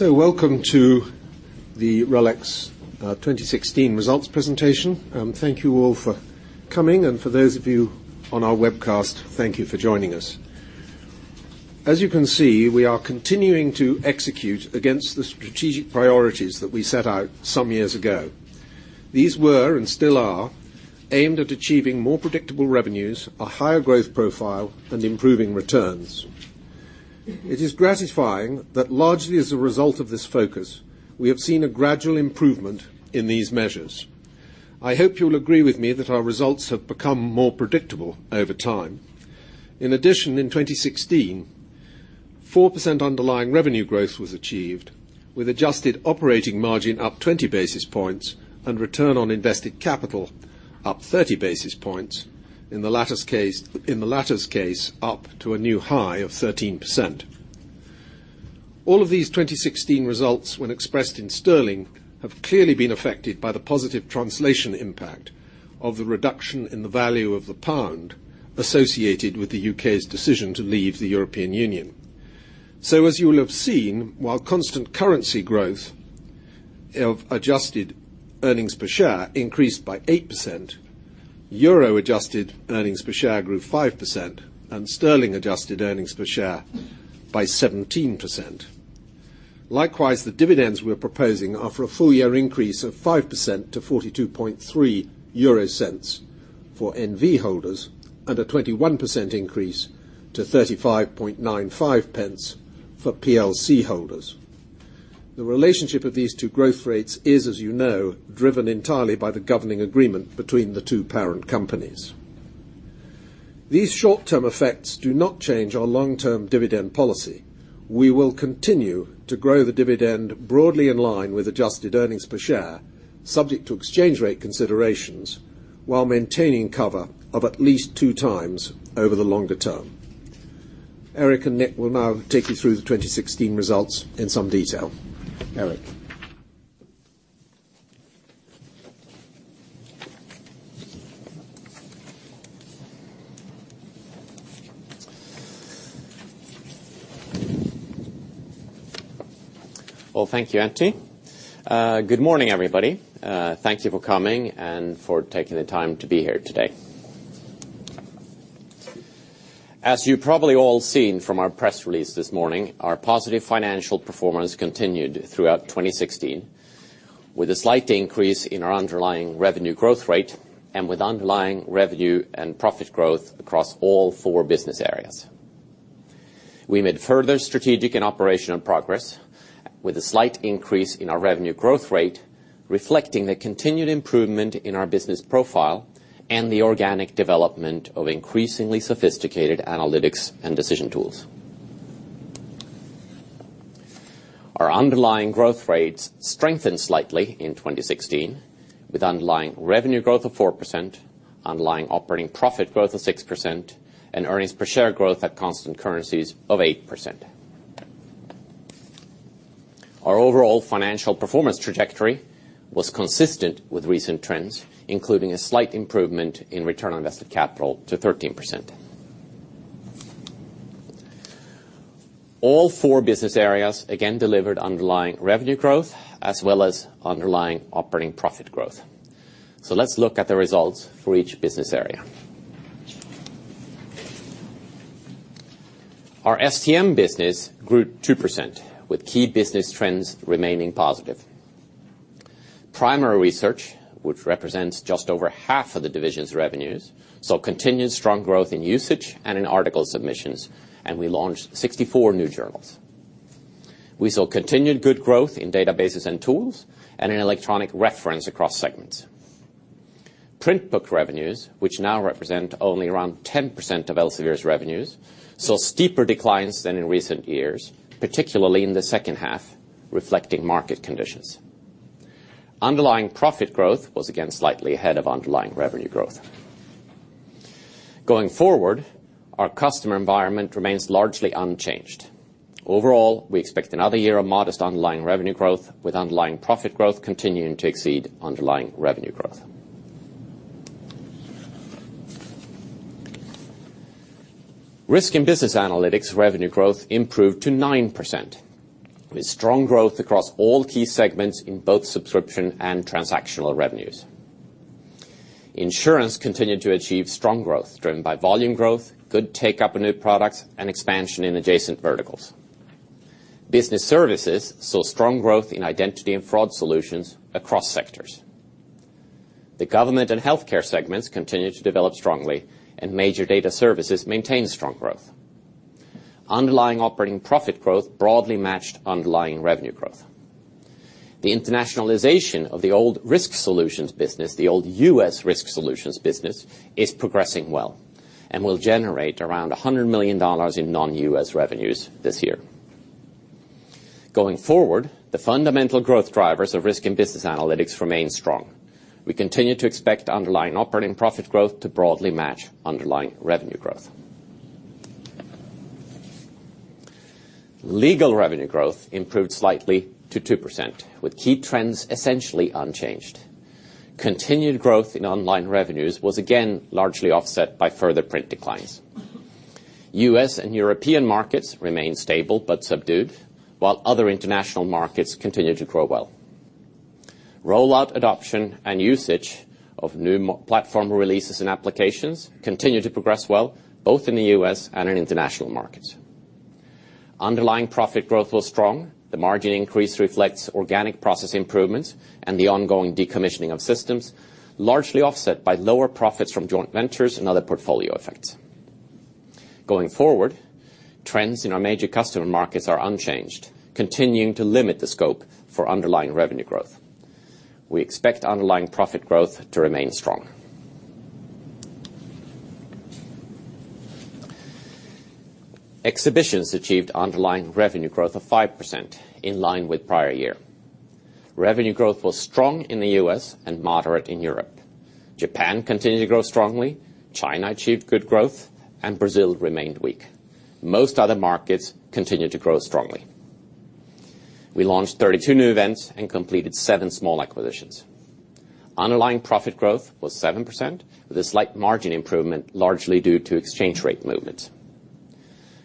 Welcome to the RELX 2016 results presentation. Thank you all for coming, and for those of you on our webcast, thank you for joining us. As you can see, we are continuing to execute against the strategic priorities that we set out some years ago. These were, and still are, aimed at achieving more predictable revenues, a higher growth profile, and improving returns. It is gratifying that largely as a result of this focus, we have seen a gradual improvement in these measures. I hope you'll agree with me that our results have become more predictable over time. In addition, in 2016, 4% underlying revenue growth was achieved with adjusted operating margin up 20 basis points and return on invested capital up 30 basis points. In the latter's case, up to a new high of 13%. All of these 2016 results, when expressed in GBP, have clearly been affected by the positive translation impact of the reduction in the value of the GBP associated with the U.K.'s decision to leave the European Union. As you will have seen, while constant currency growth of adjusted earnings per share increased by 8%, EUR-adjusted earnings per share grew 5% and GBP adjusted earnings per share by 17%. Likewise, the dividends we're proposing are for a full year increase of 5% to 0.423 for NV holders, and a 21% increase to 0.3595 for PLC holders. The relationship of these two growth rates is, as you know, driven entirely by the governing agreement between the two parent companies. These short-term effects do not change our long-term dividend policy. We will continue to grow the dividend broadly in line with adjusted earnings per share, subject to exchange rate considerations, while maintaining cover of at least two times over the longer term. Erik and Nick will now take you through the 2016 results in some detail. Erik. Thank you, Anthony. Good morning, everybody. Thank you for coming and for taking the time to be here today. As you probably all seen from our press release this morning, our positive financial performance continued throughout 2016, with a slight increase in our underlying revenue growth rate and with underlying revenue and profit growth across all four business areas. We made further strategic and operational progress with a slight increase in our revenue growth rate, reflecting the continued improvement in our business profile and the organic development of increasingly sophisticated analytics and decision tools. Our underlying growth rates strengthened slightly in 2016 with underlying revenue growth of 4%, underlying operating profit growth of 6%, and earnings per share growth at constant currencies of 8%. Our overall financial performance trajectory was consistent with recent trends, including a slight improvement in return on invested capital to 13%. All four business areas again delivered underlying revenue growth as well as underlying operating profit growth. Let's look at the results for each business area. Our STM business grew 2% with key business trends remaining positive. Primary research, which represents just over half of the division's revenues, saw continued strong growth in usage and in article submissions, and we launched 64 new journals. We saw continued good growth in databases and tools and in electronic reference across segments. Print book revenues, which now represent only around 10% of Elsevier's revenues, saw steeper declines than in recent years, particularly in the second half, reflecting market conditions. Underlying profit growth was again slightly ahead of underlying revenue growth. Going forward, our customer environment remains largely unchanged. Overall, we expect another year of modest underlying revenue growth, with underlying profit growth continuing to exceed underlying revenue growth. Risk and Business Analytics revenue growth improved to 9%, with strong growth across all key segments in both subscription and transactional revenues. Insurance continued to achieve strong growth driven by volume growth, good take-up of new products, and expansion in adjacent verticals. Business services saw strong growth in identity and fraud solutions across sectors. The government and healthcare segments continued to develop strongly and major data services maintained strong growth. Underlying operating profit growth broadly matched underlying revenue growth. The internationalization of the old risk solutions business, the old U.S. risk solutions business, is progressing well and will generate around $100 million in non-U.S. revenues this year. Going forward, the fundamental growth drivers of Risk and Business Analytics remain strong. We continue to expect underlying operating profit growth to broadly match underlying revenue growth. Legal revenue growth improved slightly to 2%, with key trends essentially unchanged. Continued growth in online revenues was again largely offset by further print declines. U.S. and European markets remain stable but subdued, while other international markets continue to grow well. Rollout adoption and usage of new platform releases and applications continue to progress well, both in the U.S. and in international markets. Underlying profit growth was strong. The margin increase reflects organic process improvements and the ongoing decommissioning of systems, largely offset by lower profits from joint ventures and other portfolio effects. Going forward, trends in our major customer markets are unchanged, continuing to limit the scope for underlying revenue growth. We expect underlying profit growth to remain strong. Exhibitions achieved underlying revenue growth of 5%, in line with prior year. Revenue growth was strong in the U.S. and moderate in Europe. Japan continued to grow strongly, China achieved good growth, and Brazil remained weak. Most other markets continued to grow strongly. We launched 32 new events and completed seven small acquisitions. Underlying profit growth was 7%, with a slight margin improvement largely due to exchange rate movements.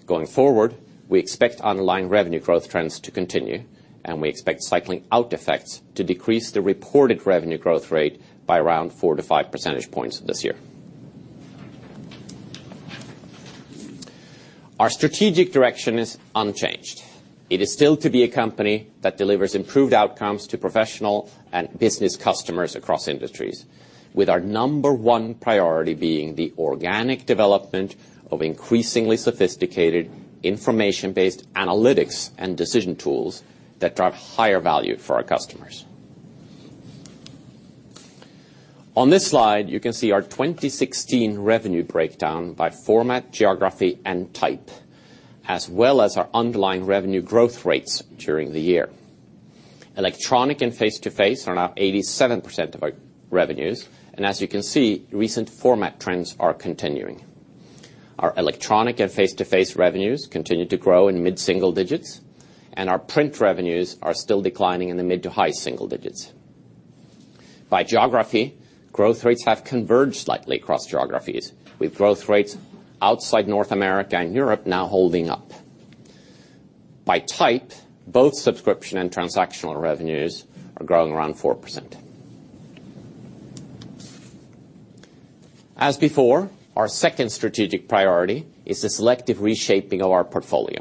Going forward, we expect underlying revenue growth trends to continue, and we expect cycling out effects to decrease the reported revenue growth rate by around four to five percentage points this year. Our strategic direction is unchanged. It is still to be a company that delivers improved outcomes to professional and business customers across industries, with our number 1 priority being the organic development of increasingly sophisticated information-based analytics and decision tools that drive higher value for our customers. On this slide, you can see our 2016 revenue breakdown by format, geography, and type, as well as our underlying revenue growth rates during the year. Electronic and face-to-face are now 87% of our revenues, as you can see, recent format trends are continuing. Our electronic and face-to-face revenues continue to grow in mid-single digits, our print revenues are still declining in the mid to high single digits. By geography, growth rates have converged slightly across geographies, with growth rates outside North America and Europe now holding up. By type, both subscription and transactional revenues are growing around 4%. As before, our second strategic priority is the selective reshaping of our portfolio.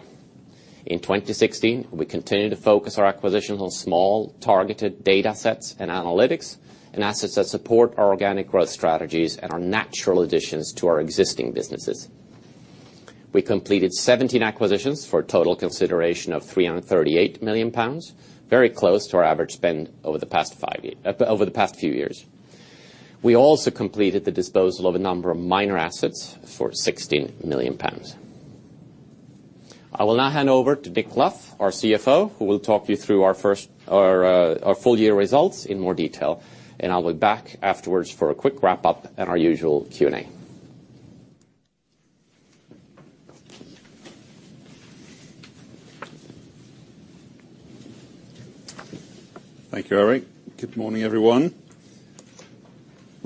In 2016, we continued to focus our acquisitions on small, targeted data sets and analytics and assets that support our organic growth strategies and are natural additions to our existing businesses. We completed 17 acquisitions for a total consideration of 338 million pounds, very close to our average spend over the past few years. We also completed the disposal of a number of minor assets for 16 million pounds. I will now hand over to Nick Luff, our CFO, who will talk you through our full year results in more detail. I will be back afterwards for a quick wrap-up and our usual Q&A. Thank you, Erik. Good morning, everyone.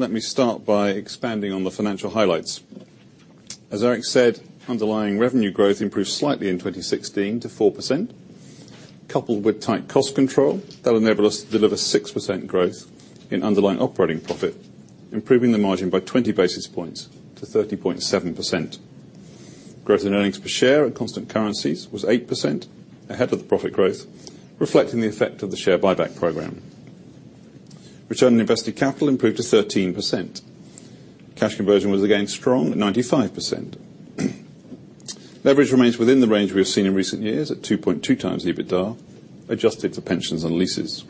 Let me start by expanding on the financial highlights. As Erik said, underlying revenue growth improved slightly in 2016 to 4%, coupled with tight cost control that enabled us to deliver 6% growth in underlying operating profit, improving the margin by 20 basis points to 30.7%. Growth in earnings per share at constant currencies was 8%, ahead of the profit growth, reflecting the effect of the share buyback program. Return on invested capital improved to 13%. Cash conversion was again strong at 95%. Leverage remains within the range we have seen in recent years at 2.2 times EBITDA, adjusted for pensions and leases.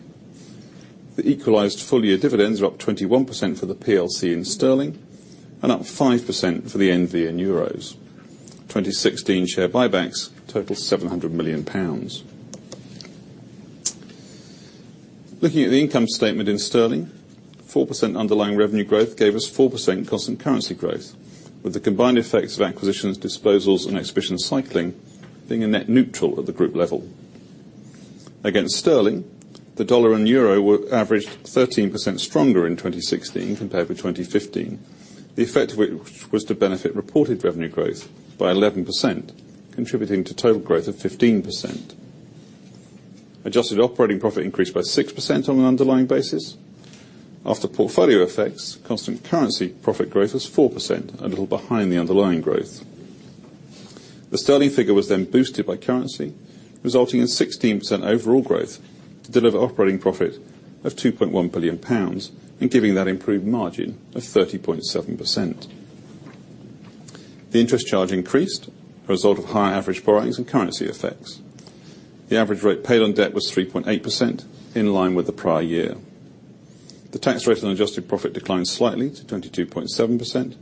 The equalized full-year dividends are up 21% for the PLC in sterling and up 5% for the NV in euros. 2016 share buybacks total GBP 700 million. Looking at the income statement in sterling, 4% underlying revenue growth gave us 4% constant currency growth, with the combined effects of acquisitions, disposals, and exhibition cycling being a net neutral at the group level. Against sterling, the dollar and euro averaged 13% stronger in 2016 compared with 2015. The effect was to benefit reported revenue growth by 11%, contributing to total growth of 15%. Adjusted operating profit increased by 6% on an underlying basis. After portfolio effects, constant currency profit growth was 4%, a little behind the underlying growth. The sterling figure was boosted by currency, resulting in 16% overall growth to deliver operating profit of 2.1 billion pounds and giving that improved margin of 30.7%. The interest charge increased, a result of higher average borrowings and currency effects. The average rate paid on debt was 3.8%, in line with the prior year. The tax rate on adjusted profit declined slightly to 22.7%,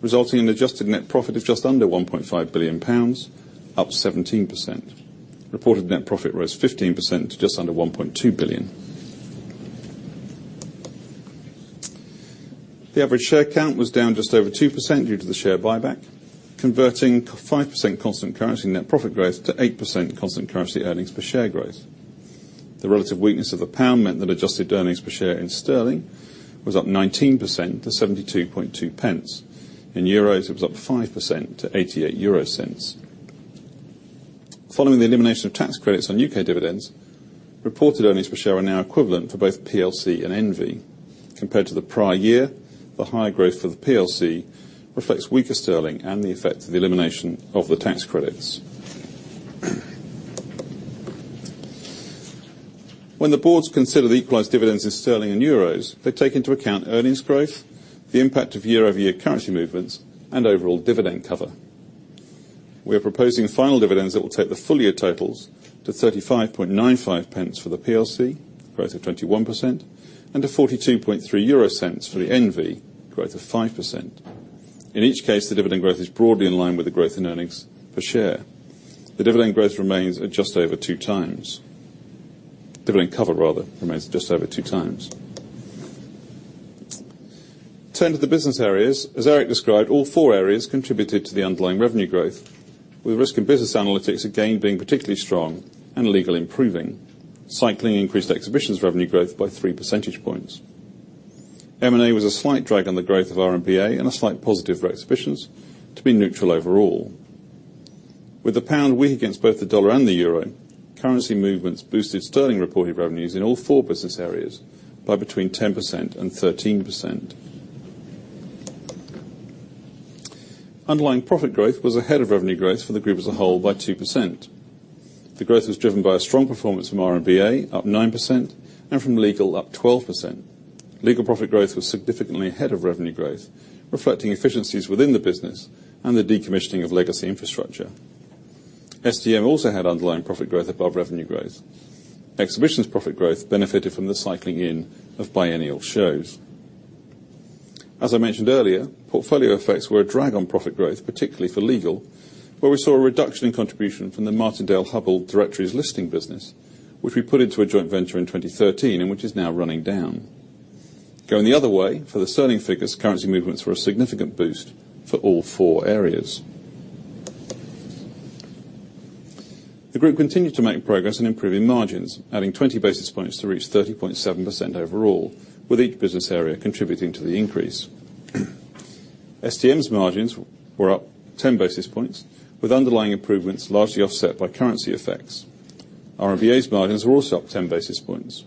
resulting in adjusted net profit of just under 1.5 billion pounds, up 17%. Reported net profit rose 15% to just under 1.2 billion. The average share count was down just over 2% due to the share buyback, converting 5% constant currency net profit growth to 8% constant currency earnings per share growth. The relative weakness of the pound meant that adjusted earnings per share in GBP was up 19% to 0.722. In EUR, it was up 5% to 0.88. Following the elimination of tax credits on U.K. dividends, reported earnings per share are now equivalent for both PLC and NV. Compared to the prior year, the higher growth for the PLC reflects weaker GBP and the effect of the elimination of the tax credits. When the boards consider the equalized dividends in GBP and EUR, they take into account earnings growth, the impact of year-over-year currency movements, and overall dividend cover. We are proposing final dividends that will take the full year totals to 0.3595 for the PLC, growth of 21%, and to 0.423 for the NV, growth of 5%. In each case, the dividend growth is broadly in line with the growth in earnings per share. The dividend growth remains at just over two times. Dividend cover, rather, remains at just over two times. Turn to the business areas. As Erik described, all four areas contributed to the underlying revenue growth, with Risk & Business Analytics again being particularly strong, and Legal improving. Cycling increased Exhibitions revenue growth by three percentage points. M&A was a slight drag on the growth of R&BA and a slight positive for Exhibitions to be neutral overall. With the GBP weak against both the USD and the EUR, currency movements boosted GBP reported revenues in all four business areas by between 10% and 13%. Underlying profit growth was ahead of revenue growth for the group as a whole by 2%. The growth was driven by a strong performance from R&BA, up 9%, and from Legal, up 12%. Legal profit growth was significantly ahead of revenue growth, reflecting efficiencies within the business and the decommissioning of legacy infrastructure. STM also had underlying profit growth above revenue growth. Exhibitions profit growth benefited from the cycling in of biennial shows. As I mentioned earlier, portfolio effects were a drag on profit growth, particularly for Legal, where we saw a reduction in contribution from the Martindale-Hubbell directories listing business, which we put into a joint venture in 2013 and which is now running down. Going the other way, for the GBP figures, currency movements were a significant boost for all four areas. The group continued to make progress in improving margins, adding 20 basis points to reach 30.7% overall, with each business area contributing to the increase. STM's margins were up 10 basis points, with underlying improvements largely offset by currency effects. R&BA's margins were also up 10 basis points.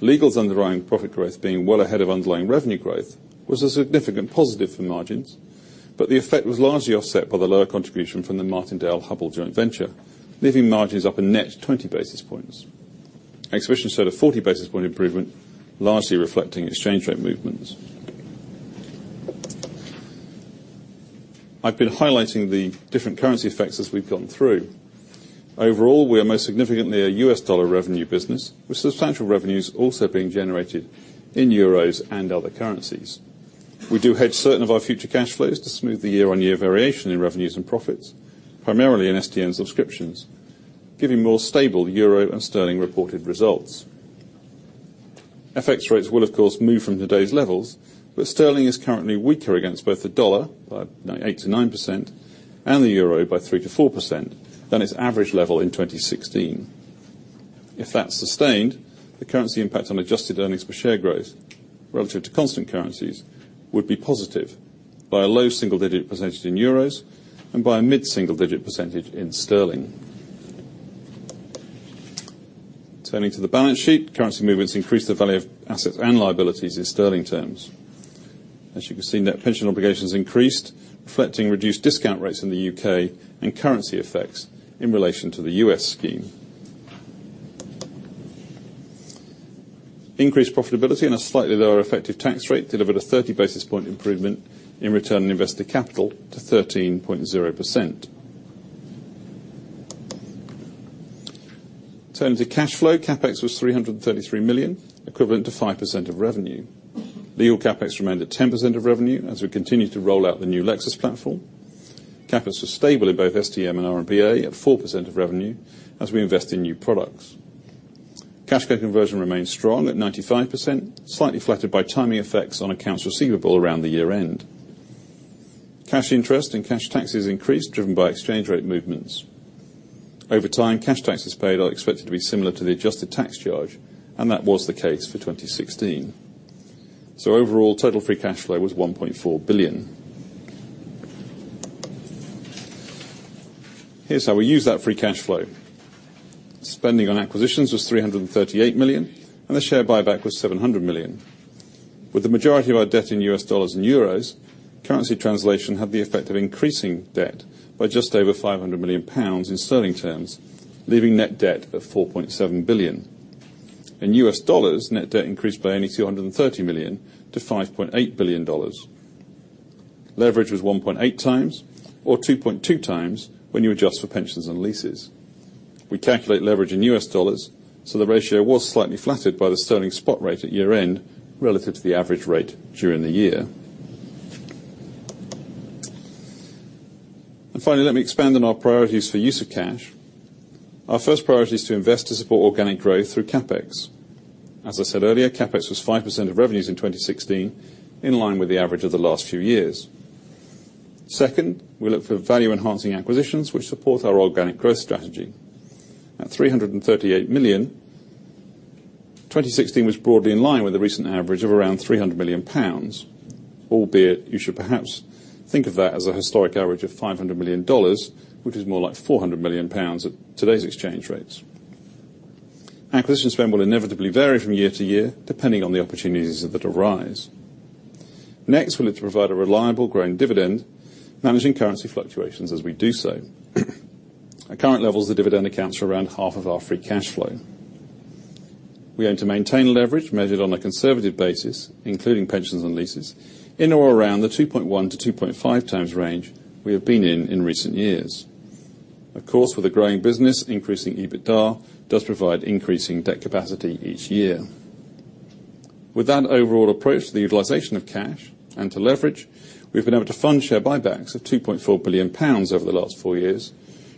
Legal's underlying profit growth being well ahead of underlying revenue growth was a significant positive for margins, but the effect was largely offset by the lower contribution from the Martindale-Hubbell joint venture, leaving margins up a net 20 basis points. Exhibitions had a 40 basis point improvement, largely reflecting exchange rate movements. I've been highlighting the different currency effects as we've gone through. Overall, we are most significantly a U.S. dollar revenue business, with substantial revenues also being generated in euros and other currencies. We do hedge certain of our future cash flows to smooth the year-on-year variation in revenues and profits, primarily in STM subscriptions, giving more stable euro and sterling reported results. FX rates will, of course, move from today's levels, but sterling is currently weaker against both the dollar, by 8% to 9%, and the euro by 3% to 4% than its average level in 2016. If that's sustained, the currency impact on adjusted earnings per share growth relative to constant currencies would be positive by a low single-digit % in euros and by a mid-single digit % in sterling. Turning to the balance sheet, currency movements increased the value of assets and liabilities in sterling terms. As you can see, net pension obligations increased, reflecting reduced discount rates in the U.K. and currency effects in relation to the U.S. scheme. Increased profitability and a slightly lower effective tax rate delivered a 30 basis point improvement in return on invested capital to 13.0%. Turning to cash flow, CapEx was 333 million, equivalent to 5% of revenue. Legal CapEx remained at 10% of revenue as we continue to roll out the new Lexis platform. CapEx was stable in both STM and R&BA at 4% of revenue as we invest in new products. Cash conversion remains strong at 95%, slightly flattered by timing effects on accounts receivable around the year-end. Cash interest and cash taxes increased, driven by exchange rate movements. Over time, cash taxes paid are expected to be similar to the adjusted tax charge, and that was the case for 2016. Overall, total free cash flow was 1.4 billion. Here's how we used that free cash flow. Spending on acquisitions was 338 million, and the share buyback was 700 million. With the majority of our debt in US dollars and euros, currency translation had the effect of increasing debt by just over 500 million pounds in sterling terms, leaving net debt at 4.7 billion. In US dollars, net debt increased by only $230 million to $5.8 billion. Leverage was 1.8 times, or 2.2 times, when you adjust for pensions and leases. We calculate leverage in US dollars, so the ratio was slightly flattered by the sterling spot rate at year-end relative to the average rate during the year. Finally, let me expand on our priorities for use of cash. Our first priority is to invest to support organic growth through CapEx. As I said earlier, CapEx was 5% of revenues in 2016, in line with the average of the last few years. Second, we look for value-enhancing acquisitions which support our organic growth strategy. At 338 million, 2016 was broadly in line with the recent average of around 300 million pounds, albeit you should perhaps think of that as a historic average of $500 million, which is more like GBP 400 million at today's exchange rates. Next, we look to provide a reliable growing dividend, managing currency fluctuations as we do so. At current levels, the dividend accounts for around half of our free cash flow. We aim to maintain leverage measured on a conservative basis, including pensions and leases, in or around the 2.1-2.5 times range we have been in recent years. Of course, with a growing business, increasing EBITDA does provide increasing debt capacity each year. With that overall approach to the utilization of cash and to leverage, we've been able to fund share buybacks of 2.4 billion pounds over the last four years,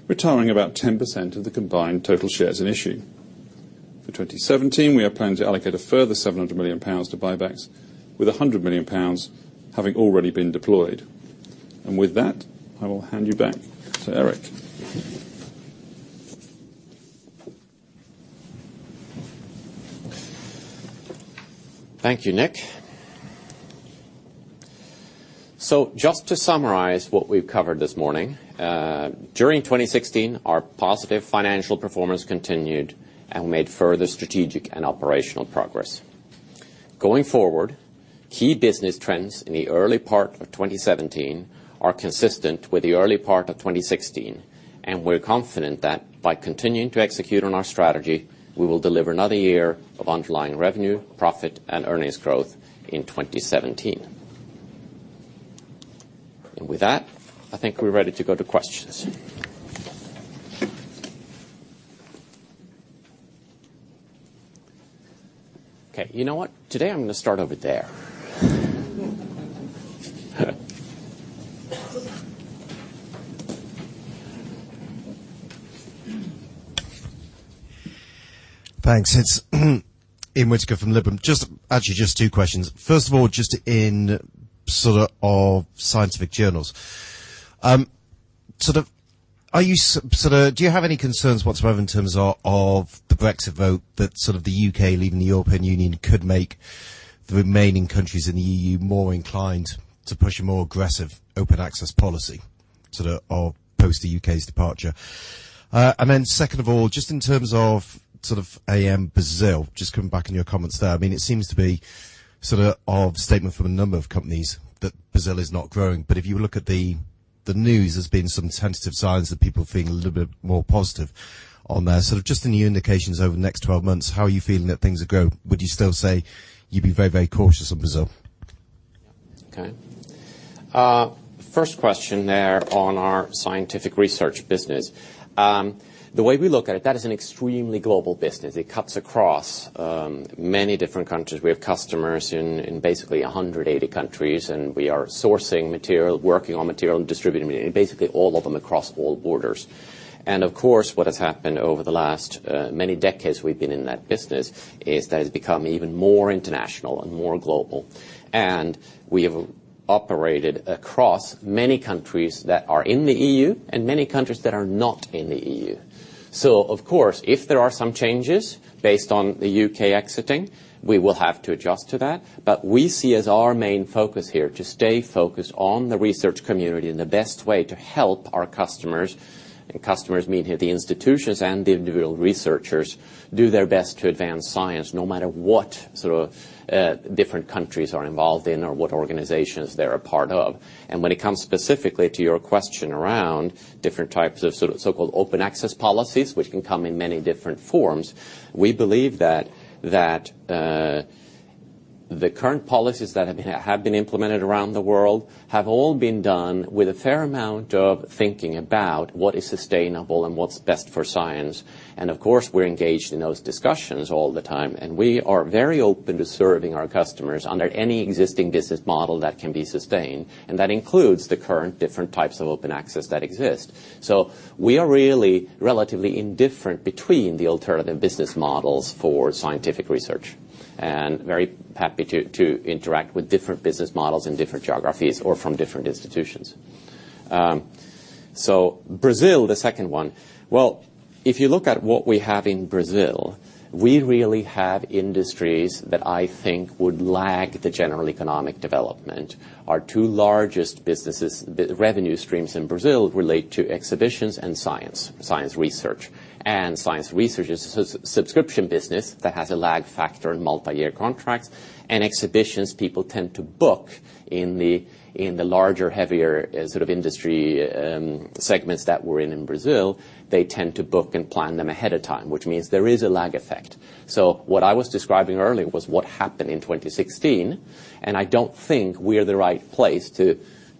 retiring about 10% of the combined total shares in issue. For 2017, we are planning to allocate a further 700 million pounds to buybacks, with 100 million pounds having already been deployed. With that, I will hand you back to Erik. Thank you, Nick. Just to summarize what we've covered this morning, during 2016, our positive financial performance continued, and we made further strategic and operational progress. Going forward, key business trends in the early part of 2017 are consistent with the early part of 2016, and we're confident that by continuing to execute on our strategy, we will deliver another year of underlying revenue, profit, and earnings growth in 2017. With that, I think we're ready to go to questions. Okay. You know what? Today, I'm going to start over there. Thanks. It's Ian Whittaker from Liberum. Actually, just two questions. First of all, just in sort of our scientific journals. Do you have any concerns whatsoever in terms of the Brexit vote that sort of the U.K. leaving the European Union could make the remaining countries in the EU more inclined to push a more aggressive open access policy sort of post the U.K.'s departure? Second of all, just in terms of sort of AM Brazil, just coming back on your comments there. It seems to be sort of statement from a number of companies that Brazil is not growing, but if you look at the news, there's been some tentative signs of people feeling a little bit more positive on there. Sort of just in the indications over the next 12 months, how are you feeling that things are going? Would you still say you'd be very, very cautious on Brazil? Okay. First question there on our scientific research business. The way we look at it, that is an extremely global business. It cuts across many different countries. We have customers in basically 180 countries, we are sourcing material, working on material, and distributing, basically all of them across all borders. Of course, what has happened over the last, many decades we've been in that business is that it's become even more international and more global. We have operated across many countries that are in the EU and many countries that are not in the EU. Of course, if there are some changes based on the U.K. exiting, we will have to adjust to that. We see as our main focus here to stay focused on the research community and the best way to help our customers, and customers meaning the institutions and the individual researchers, do their best to advance science no matter what sort of different countries are involved in or what organizations they're a part of. When it comes specifically to your question around different types of so-called open access policies, which can come in many different forms, we believe that the current policies that have been implemented around the world have all been done with a fair amount of thinking about what is sustainable and what's best for science. Of course, we're engaged in those discussions all the time, we are very open to serving our customers under any existing business model that can be sustained, and that includes the current different types of open access that exist. We are really relatively indifferent between the alternative business models for scientific research, and very happy to interact with different business models in different geographies or from different institutions. Brazil, the second one. If you look at what we have in Brazil, we really have industries that I think would lag the general economic development. Our two largest businesses, revenue streams in Brazil relate to exhibitions and science research. Science research is a subscription business that has a lag factor in multiyear contracts. Exhibitions, people tend to book in the larger, heavier sort of industry segments that we're in Brazil. They tend to book and plan them ahead of time, which means there is a lag effect. What I was describing earlier was what happened in 2016, and I don't think we're the right place to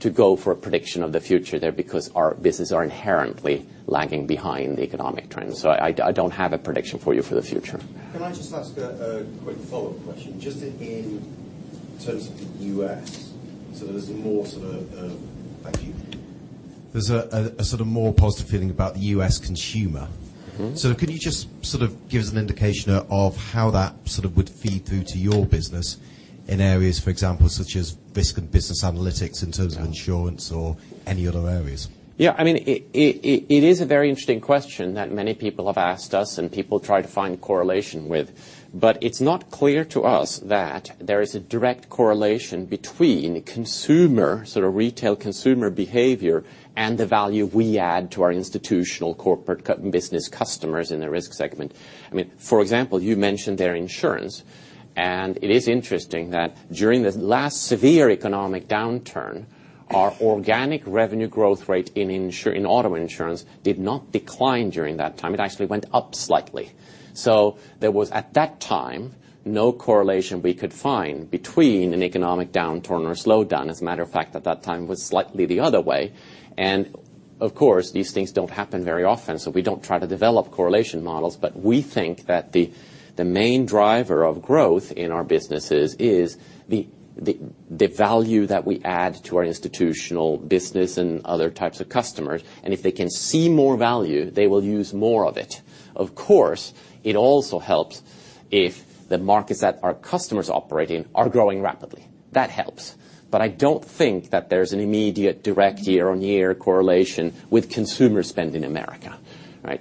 go for a prediction of the future there because our business are inherently lagging behind the economic trends. I don't have a prediction for you for the future. Can I just ask a quick follow-up question? Just in terms of the U.S., there's more sort of Thank you. There's a sort of more positive feeling about the U.S. consumer. Can you just sort of give us an indication of how that sort of would feed through to your business in areas, for example, such as Risk & Business Analytics in terms Yeah of insurance or any other areas? It is a very interesting question that many people have asked us, and people try to find correlation with, but it's not clear to us that there is a direct correlation between consumer, sort of retail consumer behavior, and the value we add to our institutional corporate business customers in the Risk segment. For example, you mentioned there insurance, and it is interesting that during the last severe economic downturn, our organic revenue growth rate in auto insurance did not decline during that time. It actually went up slightly. There was, at that time, no correlation we could find between an economic downturn or slowdown. As a matter of fact, at that time, it was slightly the other way. Of course, these things don't happen very often, so we don't try to develop correlation models, but we think that the main driver of growth in our businesses is the value that we add to our institutional business and other types of customers, and if they can see more value, they will use more of it. Of course, it also helps if the markets that our customers operate in are growing rapidly. That helps. I don't think that there's an immediate direct year-on-year correlation with consumer spend in America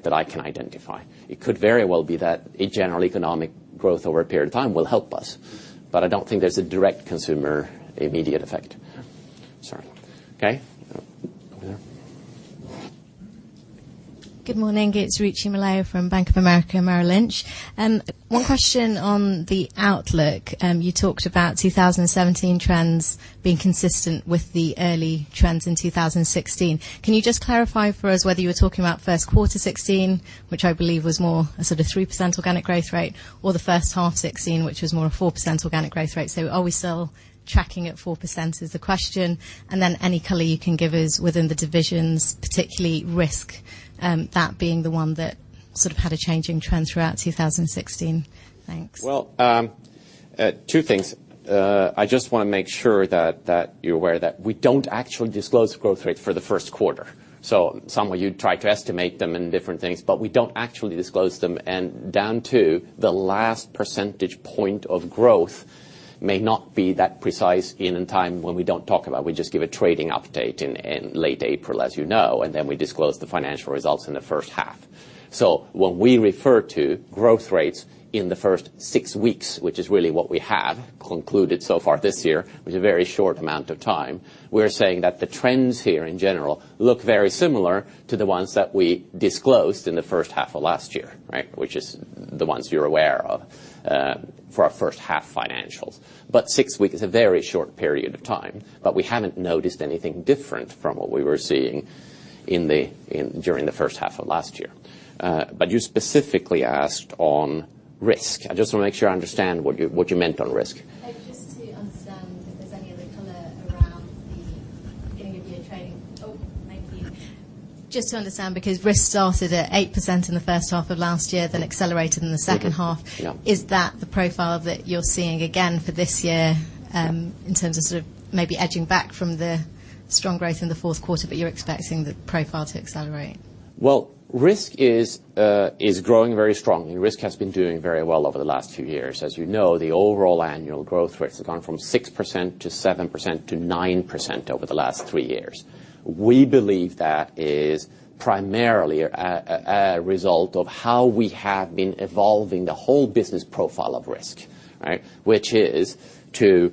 that I can identify. It could very well be that a general economic growth over a period of time will help us. I don't think there's a direct consumer immediate effect. Sorry. Okay. Over there. Good morning. It's Ruchi Mulye from Bank of America Merrill Lynch. One question on the outlook. You talked about 2017 trends being consistent with the early trends in 2016. Can you just clarify for us whether you were talking about first quarter 2016, which I believe was more a sort of 3% organic growth rate, or the first half 2016, which was more a 4% organic growth rate? Are we still tracking at 4%, is the question. Any color you can give us within the divisions, particularly Risk, that being the one that sort of had a changing trend throughout 2016. Thanks. Well, two things. I just want to make sure that you're aware that we don't actually disclose growth rates for the first quarter. In some way, you'd try to estimate them and different things. We don't actually disclose them, and down to the last percentage point of growth may not be that precise in a time when we don't talk about. We just give a trading update in late April, as you know. We disclose the financial results in the first half. When we refer to growth rates in the first six weeks, which is really what we have concluded so far this year, which is a very short amount of time, we're saying that the trends here in general look very similar to the ones that we disclosed in the first half of last year, which is the ones you're aware of for our first half financials. Six weeks is a very short period of time. We haven't noticed anything different from what we were seeing during the first half of last year. You specifically asked on Risk. I just want to make sure I understand what you meant on Risk. Just to understand if there's any other color around the beginning of year trading. Oh, mic please. Just to understand, because Risk started at 8% in the first half of last year, then accelerated in the second half. Yeah. Is that the profile that you're seeing again for this year, in terms of sort of maybe edging back from the strong growth in the fourth quarter, but you're expecting the profile to accelerate? Well, Risk is growing very strongly. Risk has been doing very well over the last few years. As you know, the overall annual growth rates have gone from 6% to 7% to 9% over the last three years. We believe that is primarily a result of how we have been evolving the whole business profile of Risk. Which is to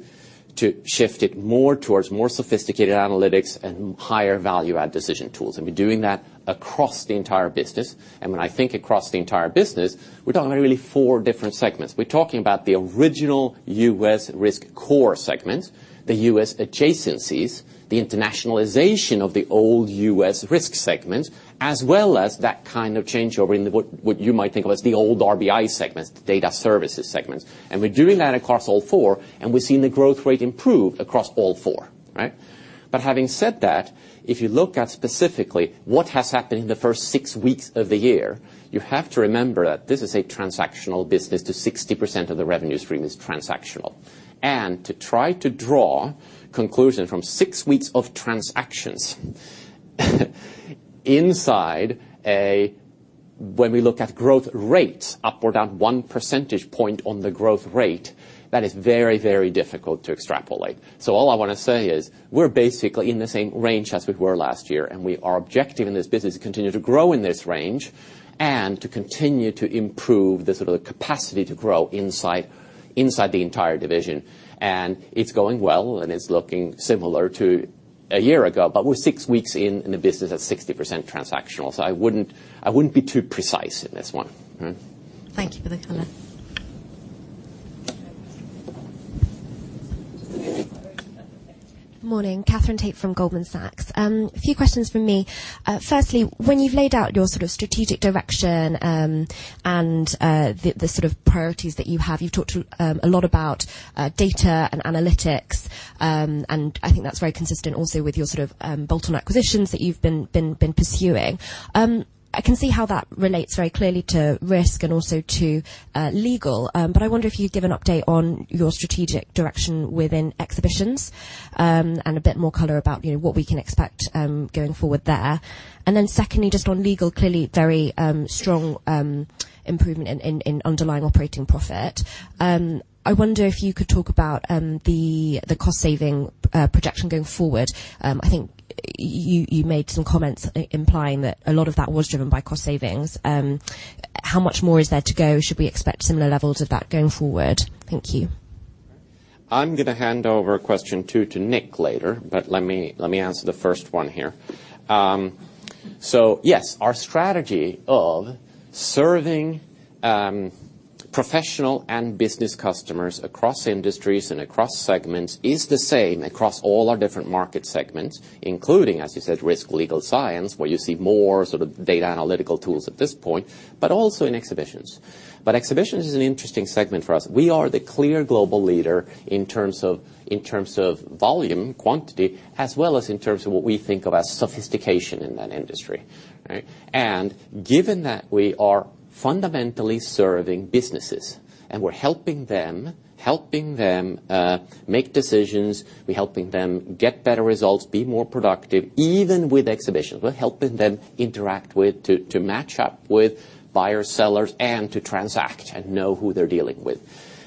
shift it more towards more sophisticated analytics and higher value-add decision tools, and we're doing that across the entire business. When I think across the entire business, we're talking about really four different segments. We're talking about the original U.S. Risk core segment, the U.S. adjacencies, the internationalization of the old U.S. Risk segment, as well as that kind of changeover in what you might think of as the old RBI segment, the data services segment. We're doing that across all four, and we're seeing the growth rate improve across all four. Having said that, if you look at specifically what has happened in the first six weeks of the year, you have to remember that this is a transactional business. The 60% of the revenue stream is transactional. To try to draw conclusion from six weeks of transactions. When we look at growth rates up or down one percentage point on the growth rate, that is very, very difficult to extrapolate. All I want to say is we're basically in the same range as we were last year, and our objective in this business is to continue to grow in this range and to continue to improve the sort of capacity to grow inside the entire division. It's going well, and it's looking similar to a year ago, but we're six weeks in, and the business is 60% transactional, so I wouldn't be too precise in this one. Thank you for the color. Morning. Katherine Tait from Goldman Sachs. A few questions from me. Firstly, when you've laid out your strategic direction and the priorities that you have, you've talked a lot about data and analytics, and I think that's very consistent also with your bolt-on acquisitions that you've been pursuing. I can see how that relates very clearly to risk and also to legal, but I wonder if you'd give an update on your strategic direction within Exhibitions, and a bit more color about what we can expect, going forward there. Then secondly, just on legal, clearly very strong improvement in underlying operating profit. I wonder if you could talk about the cost-saving projection going forward. I think you made some comments implying that a lot of that was driven by cost savings. How much more is there to go? Should we expect similar levels of that going forward? Thank you. I'm going to hand over question two to Nick later, but let me answer the first one here. Yes, our strategy of serving professional and business customers across industries and across segments is the same across all our different market segments, including, as you said, risk legal science, where you see more data analytical tools at this point, but also in Exhibitions. Exhibitions is an interesting segment for us. We are the clear global leader in terms of volume, quantity, as well as in terms of what we think of as sophistication in that industry. Right? Given that we are fundamentally serving businesses and we're helping them make decisions, we're helping them get better results, be more productive, even with Exhibitions. We're helping them interact with, to match up with buyers, sellers, and to transact and know who they're dealing with.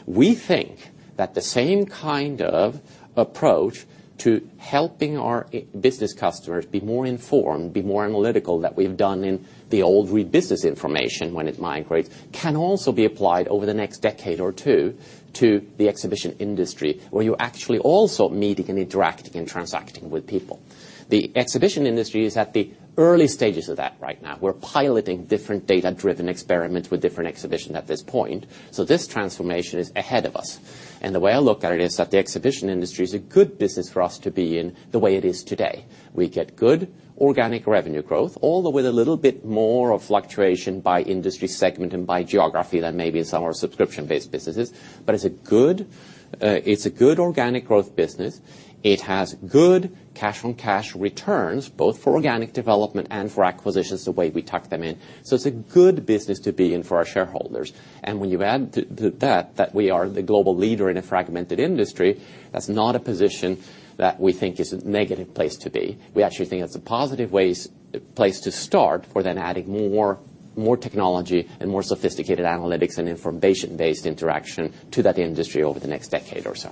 We think that the same kind of approach to helping our business customers be more informed, be more analytical, that we've done in the old business information when it migrates, can also be applied over the next decade or two to the exhibition industry, where you're actually also meeting and interacting and transacting with people. The exhibition industry is at the early stages of that right now. We're piloting different data-driven experiments with different exhibitions at this point. This transformation is ahead of us. The way I look at it is that the exhibition industry is a good business for us to be in the way it is today. We get good organic revenue growth, although with a little bit more of fluctuation by industry segment and by geography than maybe some of our subscription-based businesses. It's a good organic growth business. It has good cash on cash returns, both for organic development and for acquisitions, the way we tuck them in. It's a good business to be in for our shareholders. When you add to that we are the global leader in a fragmented industry, that's not a position that we think is a negative place to be. We actually think it's a positive place to start for then adding more technology and more sophisticated analytics and information-based interaction to that industry over the next decade or so.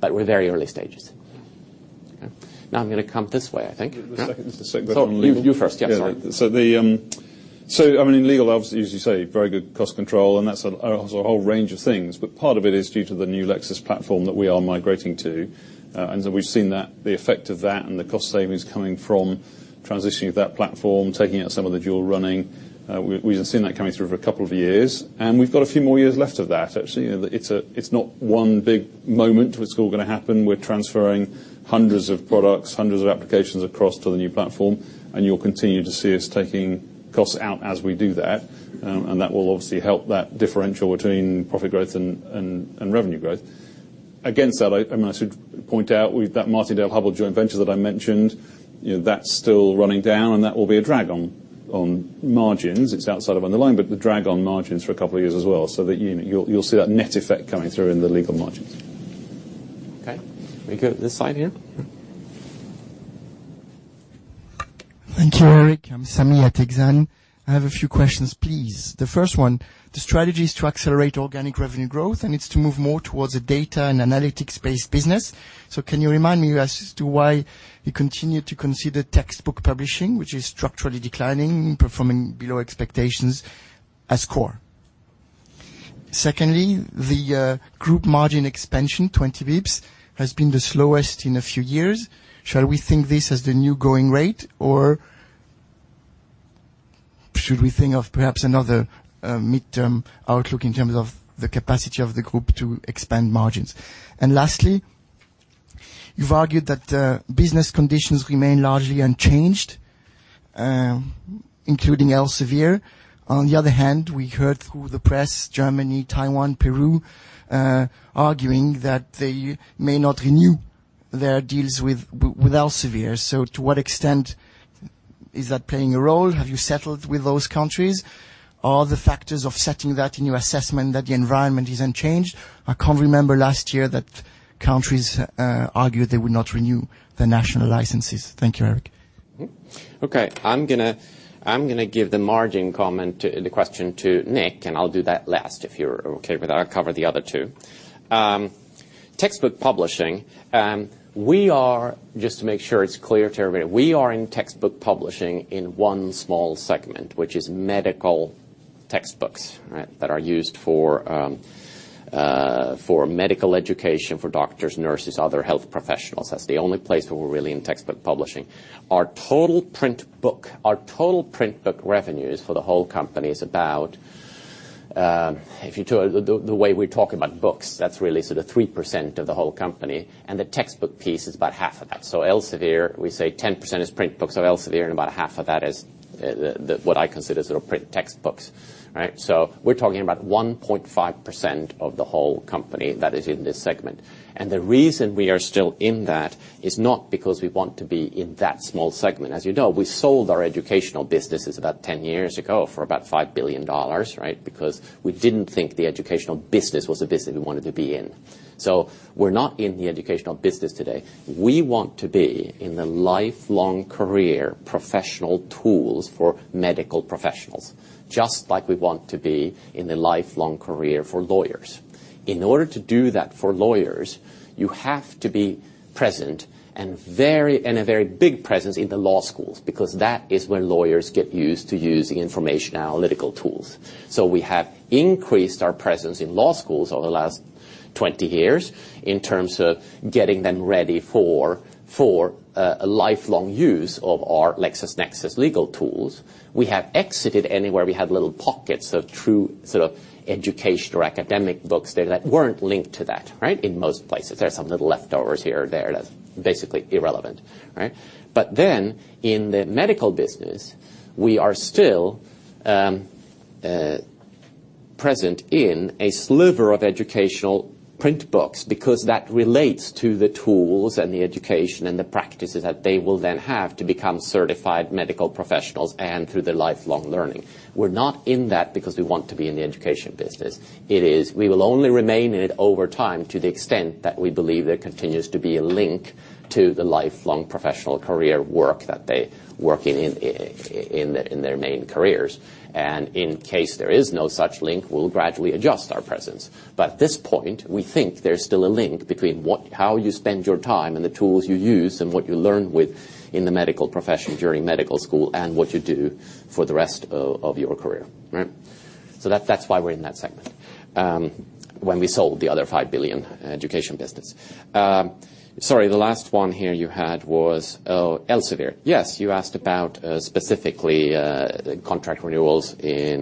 We're very early stages. Now I'm going to come this way, I think. The second- You first. Sorry. Yeah. In legal, obviously, as you say, very good cost control, and that's a whole range of things. Part of it is due to the new Lexis platform that we are migrating to. We've seen the effect of that and the cost savings coming from transitioning to that platform, taking out some of the dual running. We've seen that coming through for a couple of years, and we've got a few more years left of that, actually. It's not one big moment where it's all going to happen. We're transferring hundreds of products, hundreds of applications across to the new platform, and you'll continue to see us taking costs out as we do that. That will obviously help that differential between profit growth and revenue growth. Again, I should point out with that Martindale-Hubbell joint venture that I mentioned, that's still running down, and that will be a drag on margins. It's outside of underlying, but the drag on margins for a couple of years as well, so that you'll see that net effect coming through in the legal margins. Okay. We go to this side here. Okay. Thank you, Erik. I'm Sami Kassab. I have a few questions, please. The first one, the strategy is to accelerate organic revenue growth, and it's to move more towards a data and analytics-based business. Can you remind me as to why you continue to consider textbook publishing, which is structurally declining, performing below expectations, as core? Secondly, the group margin expansion, 20 bps, has been the slowest in a few years. Shall we think this as the new going rate, or should we think of perhaps another midterm outlook in terms of the capacity of the group to expand margins? Lastly, you've argued that business conditions remain largely unchanged, including Elsevier. On the other hand, we heard through the press, Germany, Taiwan, Peru, arguing that they may not renew their deals with Elsevier. To what extent is that playing a role? Have you settled with those countries? Are the factors of setting that in your assessment that the environment is unchanged? I can't remember last year that countries argued they would not renew their national licenses. Thank you, Erik. Okay. I'm going to give the margin comment to the question to Nick, and I'll do that last, if you're okay with that. I'll cover the other two. Textbook publishing. Just to make sure it's clear to everybody, we are in textbook publishing in one small segment, which is medical textbooks that are used for medical education for doctors, nurses, other health professionals. That's the only place where we're really in textbook publishing. Our total print book revenues for the whole company is about If you took the way we talk about books, that's really 3% of the whole company, and the textbook piece is about half of that. Elsevier, we say 10% is print books of Elsevier, and about a half of that is what I consider sort of print textbooks. Right? We're talking about 1.5% of the whole company that is in this segment. The reason we are still in that is not because we want to be in that small segment. As you know, we sold our educational businesses about 10 years ago for about GBP 5 billion, right? Because we didn't think the educational business was a business we wanted to be in. We're not in the educational business today. We want to be in the lifelong career professional tools for medical professionals, just like we want to be in the lifelong career for lawyers. In order to do that for lawyers, you have to be present, and a very big presence in the law schools, because that is when lawyers get used to using information analytical tools. We have increased our presence in law schools over the last 20 years in terms of getting them ready for a lifelong use of our LexisNexis legal tools. We have exited anywhere we had little pockets of true education or academic books there that weren't linked to that, right? In most places. There are some little leftovers here or there that's basically irrelevant, right? In the medical business, we are still present in a sliver of educational print books because that relates to the tools and the education and the practices that they will then have to become certified medical professionals and through their lifelong learning. We're not in that because we want to be in the education business. It is, we will only remain in it over time to the extent that we believe there continues to be a link to the lifelong professional career work that they work in their main careers. In case there is no such link, we'll gradually adjust our presence. At this point, we think there's still a link between how you spend your time and the tools you use and what you learn with in the medical profession during medical school and what you do for the rest of your career. Right. That's why we're in that segment, when we sold the other 5 billion education business. Sorry, the last one here you had was Elsevier. Yes, you asked about specifically, contract renewals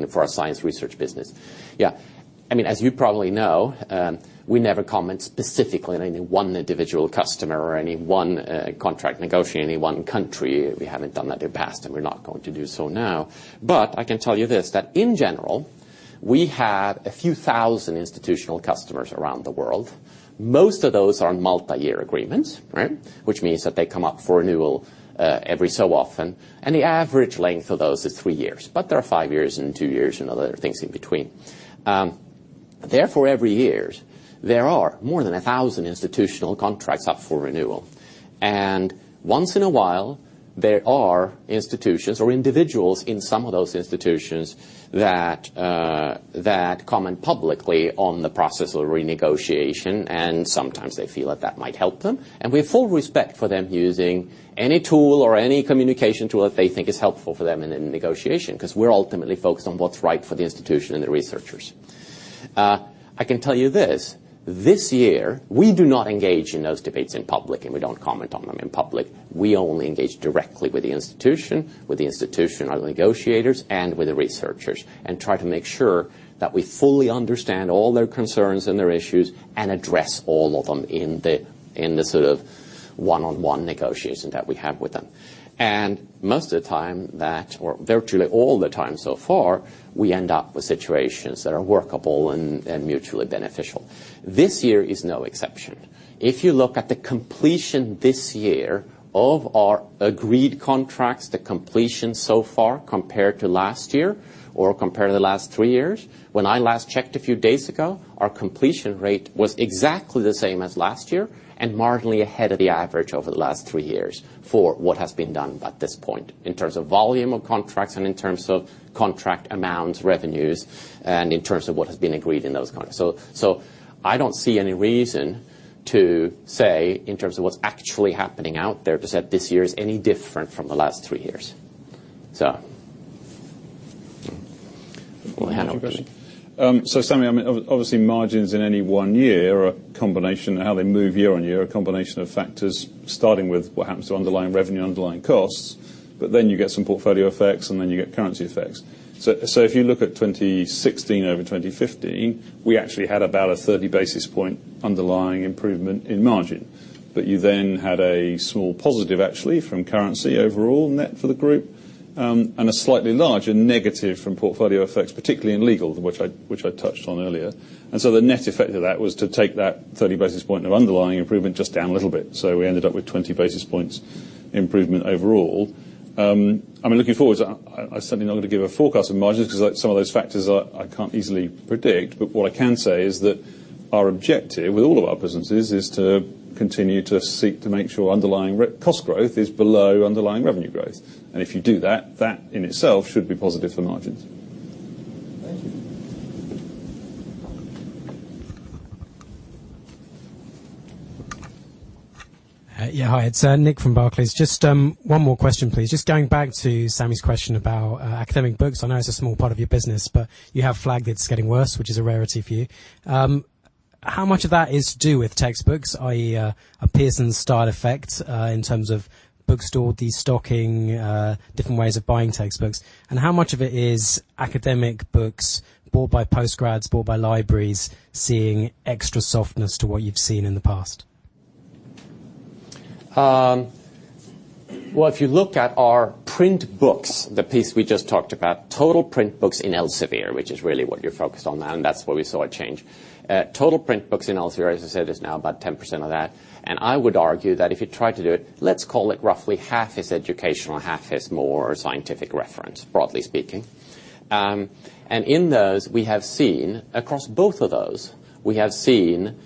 for our science research business. Yeah. As you probably know, we never comment specifically on any one individual customer or any one contract negotiation, any one country. We haven't done that in the past, and we're not going to do so now. I can tell you this, that in general, we have a few thousand institutional customers around the world. Most of those are multi-year agreements, right. Which means that they come up for renewal every so often. The average length of those is three years, but there are five years and two years and other things in between. Therefore, every year, there are more than 1,000 institutional contracts up for renewal. Once in a while, there are institutions or individuals in some of those institutions that comment publicly on the process of renegotiation, sometimes they feel that that might help them. We have full respect for them using any tool or any communication tool that they think is helpful for them in a negotiation, because we're ultimately focused on what's right for the institution and the researchers. I can tell you this. This year, we do not engage in those debates in public, and we don't comment on them in public. We only engage directly with the institution, with the institutional negotiators, and with the researchers, and try to make sure that we fully understand all their concerns and their issues and address all of them in the one-on-one negotiation that we have with them. Most of the time that, or virtually all the time so far, we end up with situations that are workable and mutually beneficial. This year is no exception. If you look at the completion this year of our agreed contracts, the completion so far compared to last year or compared to the last three years, when I last checked a few days ago, our completion rate was exactly the same as last year and marginally ahead of the average over the last three years for what has been done at this point in terms of volume of contracts and in terms of contract amounts, revenues, and in terms of what has been agreed in those contracts. I don't see any reason to say, in terms of what's actually happening out there, to say this year is any different from the last three years. We'll hand over to- Sami, obviously margins in any one year are a combination of how they move year-on-year, a combination of factors starting with what happens to underlying revenue, underlying costs. You get some portfolio effects. You get currency effects. If you look at 2016 over 2015, we actually had about a 30-basis point underlying improvement in margin. You then had a small positive actually from currency overall net for the group, and a slightly larger negative from portfolio effects, particularly in legal, which I touched on earlier. The net effect of that was to take that 30-basis point of underlying improvement just down a little bit. We ended up with 20 basis points improvement overall. Looking forward, I'm certainly not going to give a forecast of margins because some of those factors I can't easily predict. What I can say is that our objective with all of our businesses is to continue to seek to make sure underlying cost growth is below underlying revenue growth. If you do that in itself should be positive for margins. Thank you. Yeah. Hi, it's Nick from Barclays. Just one more question, please. Just going back to Sami's question about academic books. I know it's a small part of your business. You have flagged it's getting worse, which is a rarity for you. How much of that is to do with textbooks, i.e., a Pearson-style effect in terms of bookstore de-stocking, different ways of buying textbooks? How much of it is academic books bought by post-grads, bought by libraries, seeing extra softness to what you've seen in the past? If you look at our print books, the piece we just talked about, total print books in Elsevier, which is really what you're focused on now, that's where we saw a change. Total print books in Elsevier, as I said, is now about 10% of that. I would argue that if you try to do it, let's call it roughly half is educational, half is more scientific reference, broadly speaking. In those, we have seen, across both of those, we have seen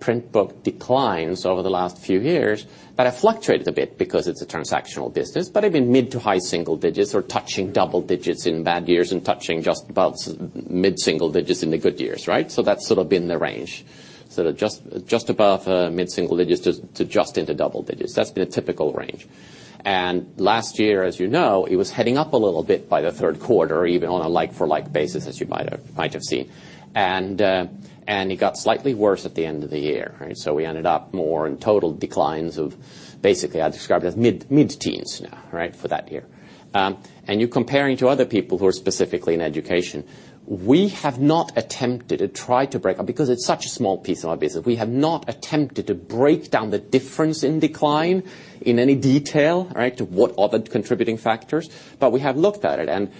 print book declines over the last few years that have fluctuated a bit because it's a transactional business, but have been mid to high single digits or touching double digits in bad years and touching just about mid-single digits in the good years. Right. That's sort of been the range. Sort of just above mid-single digits to just into double digits. That's been a typical range. Last year, as you know, it was heading up a little bit by the third quarter, even on a like-for-like basis, as you might have seen. It got slightly worse at the end of the year. Right. We ended up more in total declines of basically I'd describe it as mid-teens now, right, for that year. You're comparing to other people who are specifically in education. We have not attempted to try to break up, because it's such a small piece of our business, we have not attempted to break down the difference in decline in any detail, right, to what are the contributing factors. We have looked at it.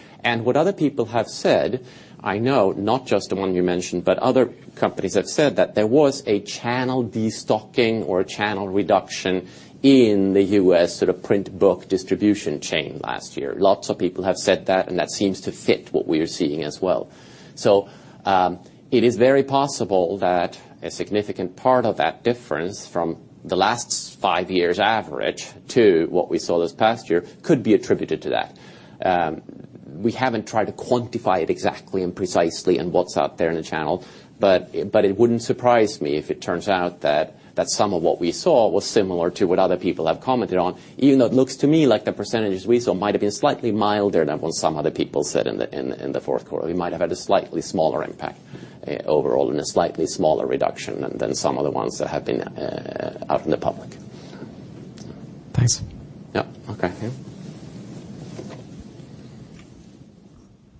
What other people have said, I know not just the one you mentioned, but other companies have said that there was a channel de-stocking or a channel reduction in the U.S. sort of print book distribution chain last year. Lots of people have said that seems to fit what we are seeing as well. It is very possible that a significant part of that difference from the last five years average to what we saw this past year could be attributed to that. We haven't tried to quantify it exactly and precisely in what's out there in the channel. It wouldn't surprise me if it turns out that some of what we saw was similar to what other people have commented on, even though it looks to me like the percentages we saw might have been slightly milder than what some other people said in the fourth quarter. We might have had a slightly smaller impact overall and a slightly smaller reduction than some of the ones that have been out in the public. Thanks. Yeah. Okay.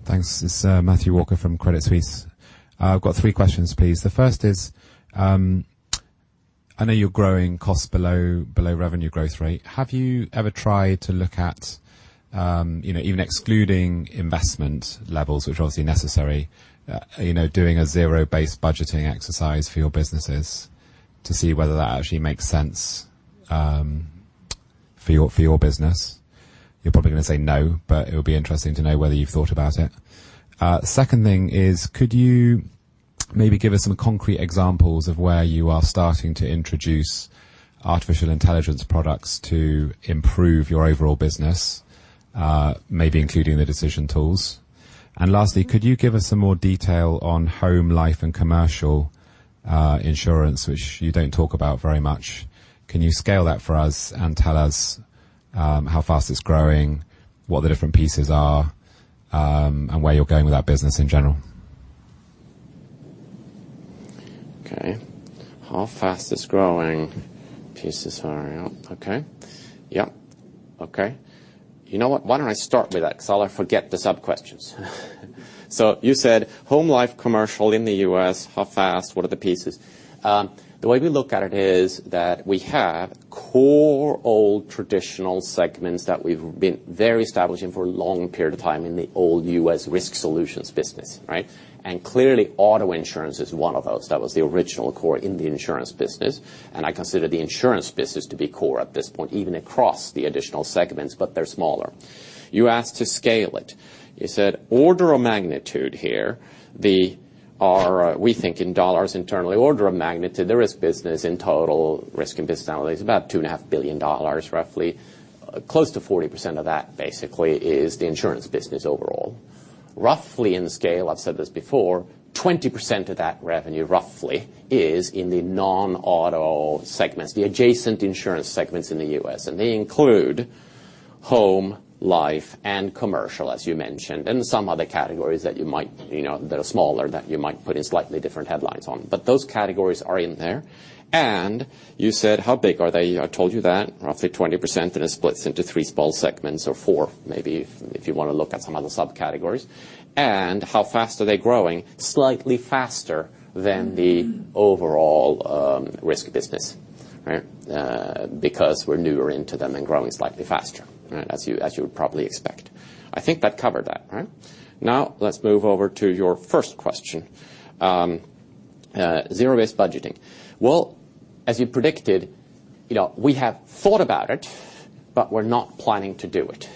Thanks. This is Matthew Walker from Credit Suisse. I've got three questions, please. The first is, I know you're growing costs below revenue growth rate. Have you ever tried to look at even excluding investment levels, which are obviously necessary, doing a zero-based budgeting exercise for your businesses to see whether that actually makes sense for your business? You're probably going to say no, but it would be interesting to know whether you've thought about it. Second thing is, could you maybe give us some concrete examples of where you are starting to introduce artificial intelligence products to improve your overall business, maybe including the decision tools? Lastly, could you give us some more detail on home life and commercial insurance, which you don't talk about very much. Can you scale that for us and tell us how fast it's growing, what the different pieces are, and where you're going with that business in general? Okay. How fast it's growing, pieces are out. Okay. Yep. Okay. You know what, why don't I start with that because I'll forget the sub-questions. You said home life commercial in the U.S., how fast, what are the pieces? The way we look at it is that we have core old traditional segments that we've been very established in for a long period of time in the old U.S. risk solutions business, right? Clearly, auto insurance is one of those. That was the original core in the insurance business, and I consider the insurance business to be core at this point, even across the additional segments, but they're smaller. You asked to scale it. You said order of magnitude here. We think in dollars internally. Order of magnitude, the risk business in total, Risk & Business Analytics, about $2.5 billion, roughly. Close to 40% of that basically is the insurance business overall. Roughly in scale, I've said this before, 20% of that revenue, roughly, is in the non-auto segments, the adjacent insurance segments in the U.S., and they include home, life, and commercial, as you mentioned, and some other categories that are smaller that you might put in slightly different headlines on. Those categories are in there. You said, how big are they? I told you that roughly 20%, and it splits into three small segments or four, maybe if you want to look at some other subcategories. How fast are they growing? Slightly faster than the overall risk business. Right? Because we're newer into them and growing slightly faster, right, as you would probably expect. I think that covered that, right? Now let's move over to your first question. Zero-based budgeting. Well, as you predicted, we have thought about it, we're not planning to do it.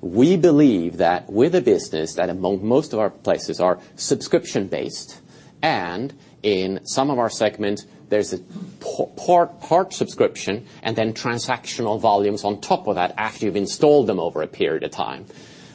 We believe that with a business that among most of our places are subscription-based, and in some of our segments, there's a part subscription and then transactional volumes on top of that after you've installed them over a period of time.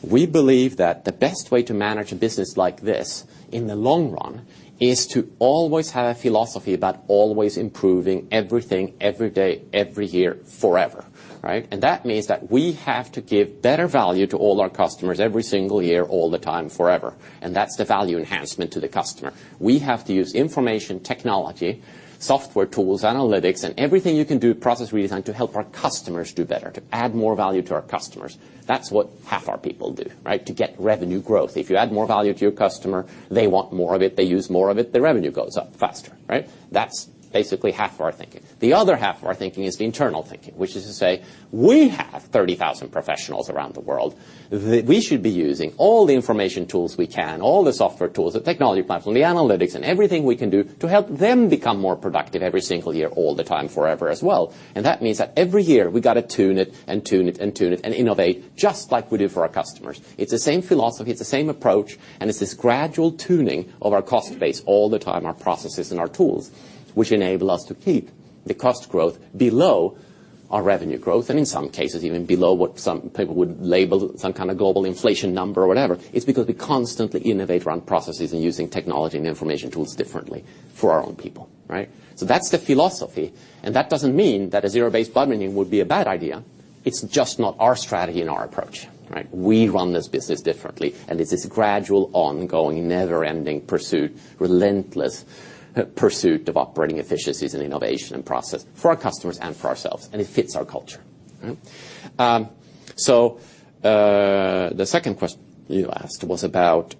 We believe that the best way to manage a business like this in the long run is to always have a philosophy about always improving everything, every day, every year, forever. Right? That means that we have to give better value to all our customers every single year, all the time, forever. That's the value enhancement to the customer. We have to use information technology, software tools, analytics, and everything you can do, process redesign, to help our customers do better, to add more value to our customers. That's what half our people do, right? To get revenue growth. If you add more value to your customer, they want more of it, they use more of it, the revenue goes up faster, right? That's basically half our thinking. The other half of our thinking is the internal thinking, which is to say, we have 30,000 professionals around the world that we should be using all the information tools we can, all the software tools, the technology platforms, the analytics, and everything we can do to help them become more productive every single year, all the time, forever as well. That means that every year we've got to tune it and tune it and tune it and innovate just like we do for our customers. It's the same philosophy, it's the same approach, it's this gradual tuning of our cost base all the time, our processes and our tools, which enable us to keep the cost growth below our revenue growth, and in some cases, even below what some people would label some kind of global inflation number or whatever. It's because we constantly innovate around processes and using technology and information tools differently for our own people, right? That's the philosophy, that doesn't mean that a zero-based budgeting would be a bad idea. It's just not our strategy and our approach, right? We run this business differently, it's this gradual, ongoing, never-ending pursuit, relentless pursuit of operating efficiencies and innovation and process for our customers and for ourselves, and it fits our culture. All right. The second question you asked was about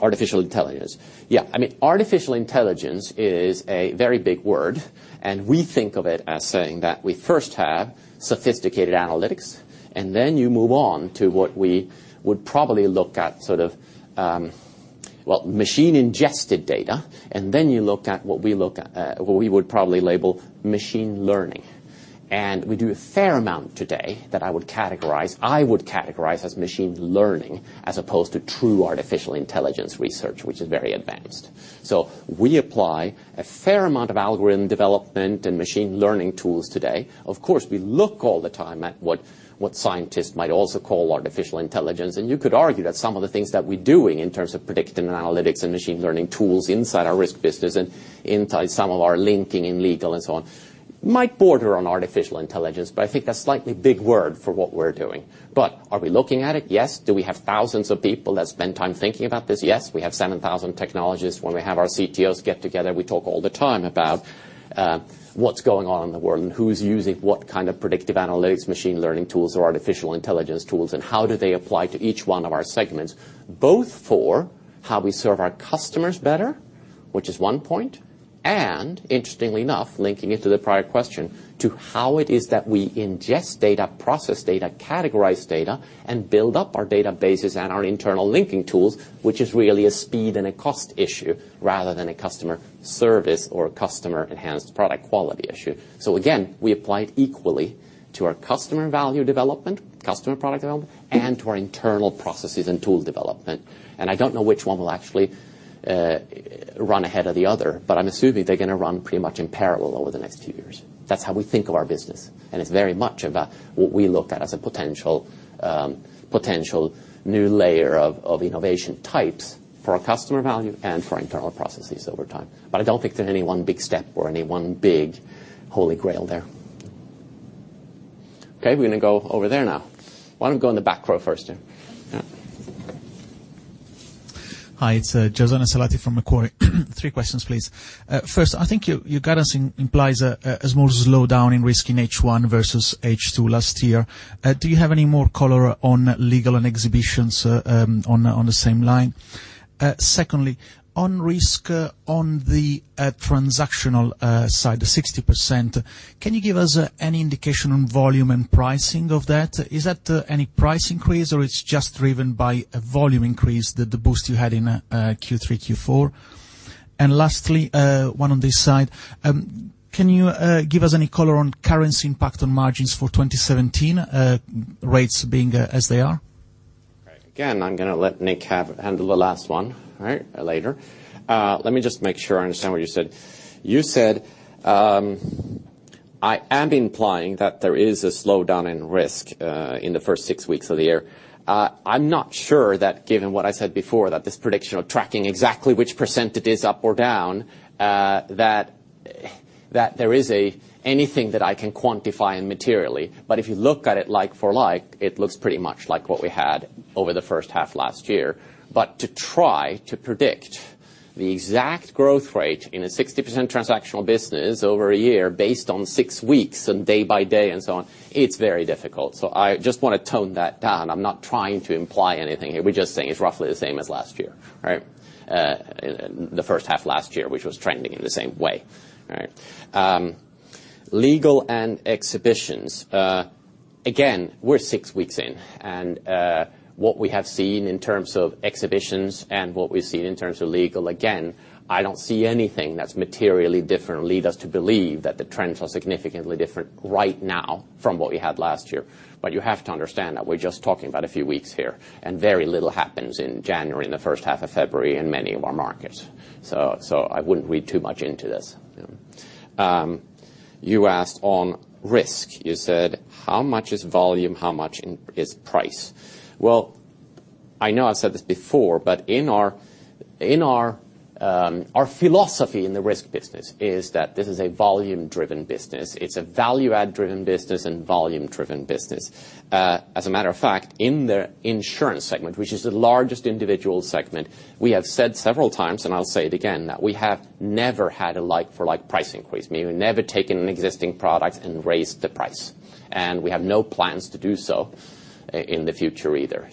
artificial intelligence. Yeah. Artificial intelligence is a very big word, and we think of it as saying that we first have sophisticated analytics, and then you move on to what we would probably look at sort of, well, machine ingested data. Then you look at what we would probably label machine learning. We do a fair amount today that I would categorize as machine learning as opposed to true artificial intelligence research, which is very advanced. We apply a fair amount of algorithm development and machine learning tools today. Of course, we look all the time at what scientists might also call artificial intelligence. You could argue that some of the things that we're doing in terms of predictive analytics and machine learning tools inside our risk business and inside some of our linking in legal and so on might border on artificial intelligence. I think that's slightly big word for what we're doing. Are we looking at it? Yes. Do we have thousands of people that spend time thinking about this? Yes. We have 7,000 technologists. When we have our CTOs get together, we talk all the time about what's going on in the world and who's using what kind of predictive analytics machine learning tools or artificial intelligence tools, and how do they apply to each one of our segments, both for how we serve our customers better, which is one point, and interestingly enough, linking it to the prior question, to how it is that we ingest data, process data, categorize data, and build up our databases and our internal linking tools, which is really a speed and a cost issue rather than a customer service or a customer enhanced product quality issue. Again, we apply it equally to our customer value development, customer product development, and to our internal processes and tool development. I don't know which one will actually run ahead of the other, but I'm assuming they're going to run pretty much in parallel over the next few years. That's how we think of our business, and it's very much about what we look at as a potential new layer of innovation types for our customer value and for our internal processes over time. I don't think there's any one big step or any one big holy grail there. We're going to go over there now. Why don't we go in the back row first here? Yeah. Hi, it's Jason Salata from Macquarie. Three questions, please. First, I think your guidance implies a small slowdown in risk in H1 versus H2 last year. Do you have any more color on legal and exhibitions on the same line? Secondly, on risk on the transactional side, the 60%, can you give us any indication on volume and pricing of that? Is that any price increase or it's just driven by a volume increase that the boost you had in Q3, Q4? Lastly, one on this side. Can you give us any color on currency impact on margins for 2017, rates being as they are? I'm going to let Nick handle the last one later. Let me just make sure I understand what you said. You said I am implying that there is a slowdown in risk in the first six weeks of the year. I'm not sure that given what I said before, that this prediction of tracking exactly which % it is up or down, that there is anything that I can quantify materially. If you look at it like for like, it looks pretty much like what we had over the first half last year. To try to predict the exact growth rate in a 60% transactional business over a year based on six weeks and day by day and so on, it's very difficult. I just want to tone that down. I'm not trying to imply anything here. We're just saying it's roughly the same as last year, right? The first half last year, which was trending in the same way, right? Legal and exhibitions, we're six weeks in, and what we have seen in terms of exhibitions and what we've seen in terms of legal, I don't see anything that's materially different lead us to believe that the trends are significantly different right now from what we had last year. You have to understand that we're just talking about a few weeks here, and very little happens in January and the first half of February in many of our markets. I wouldn't read too much into this. You asked on risk, you said, "How much is volume? How much is price?" Well, I know I've said this before, but our philosophy in the risk business is that this is a volume-driven business. It's a value-add driven business and volume-driven business. As a matter of fact, in the insurance segment, which is the largest individual segment, we have said several times, and I'll say it again, that we have never had a like-for-like price increase, meaning we've never taken an existing product and raised the price. We have no plans to do so in the future either.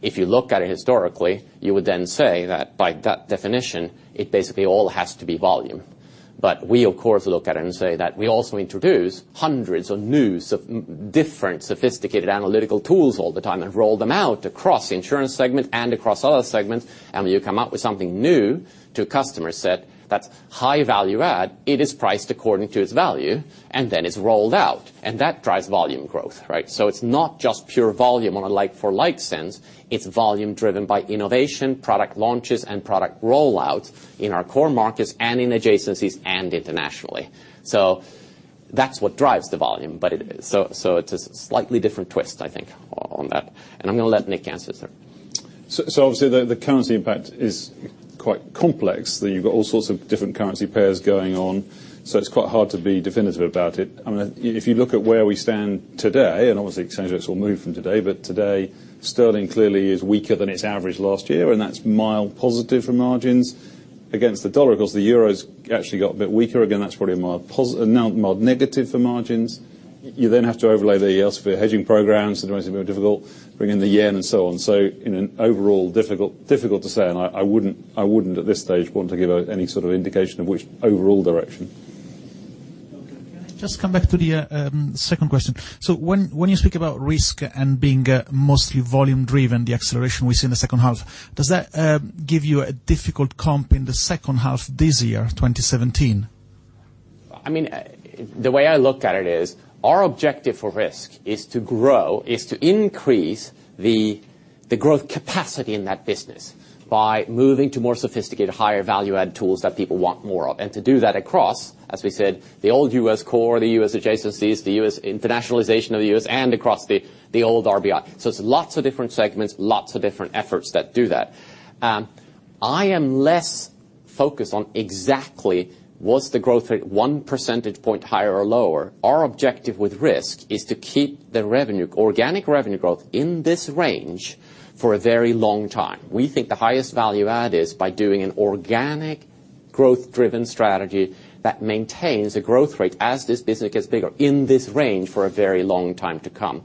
If you look at it historically, you would then say that by that definition, it basically all has to be volume. We of course, look at it and say that we also introduce hundreds of new different sophisticated analytical tools all the time and roll them out across the insurance segment and across other segments. When you come up with something new to a customer set that's high value-add, it is priced according to its value and then is rolled out, and that drives volume growth, right? It's not just pure volume on a like-for-like sense. It's volume-driven by innovation, product launches, and product rollouts in our core markets and in adjacencies and internationally. That's what drives the volume. It's a slightly different twist, I think, on that. I'm going to let Nick answer, sir. Obviously the currency impact is quite complex. You've got all sorts of different currency pairs going on, it's quite hard to be definitive about it. If you look at where we stand today, obviously exchange rates will move from today sterling clearly is weaker than its average last year, and that's mild positive for margins against the U.S. dollar. Of course, the euro's actually got a bit weaker again, that's probably mild negative for margins. You have to overlay the hedging programs. It makes it more difficult. Bring in the yen and so on. In an overall difficult to say, and I wouldn't at this stage want to give out any sort of indication of which overall direction. Okay. Can I just come back to the second question? When you speak about risk and being mostly volume driven, the acceleration we see in the second half, does that give you a difficult comp in the second half this year, 2017? The way I look at it is our objective for risk is to grow, is to increase the growth capacity in that business by moving to more sophisticated, higher value-add tools that people want more of. To do that across, as we said, the old U.S. core, the U.S. adjacencies, the internationalization of the U.S. and across the old RBI. It's lots of different segments, lots of different efforts that do that. I am less focused on exactly what's the growth rate one percentage point higher or lower. Our objective with risk is to keep the organic revenue growth in this range for a very long time. We think the highest value-add is by doing an organic growth driven strategy that maintains a growth rate as this business gets bigger in this range for a very long time to come.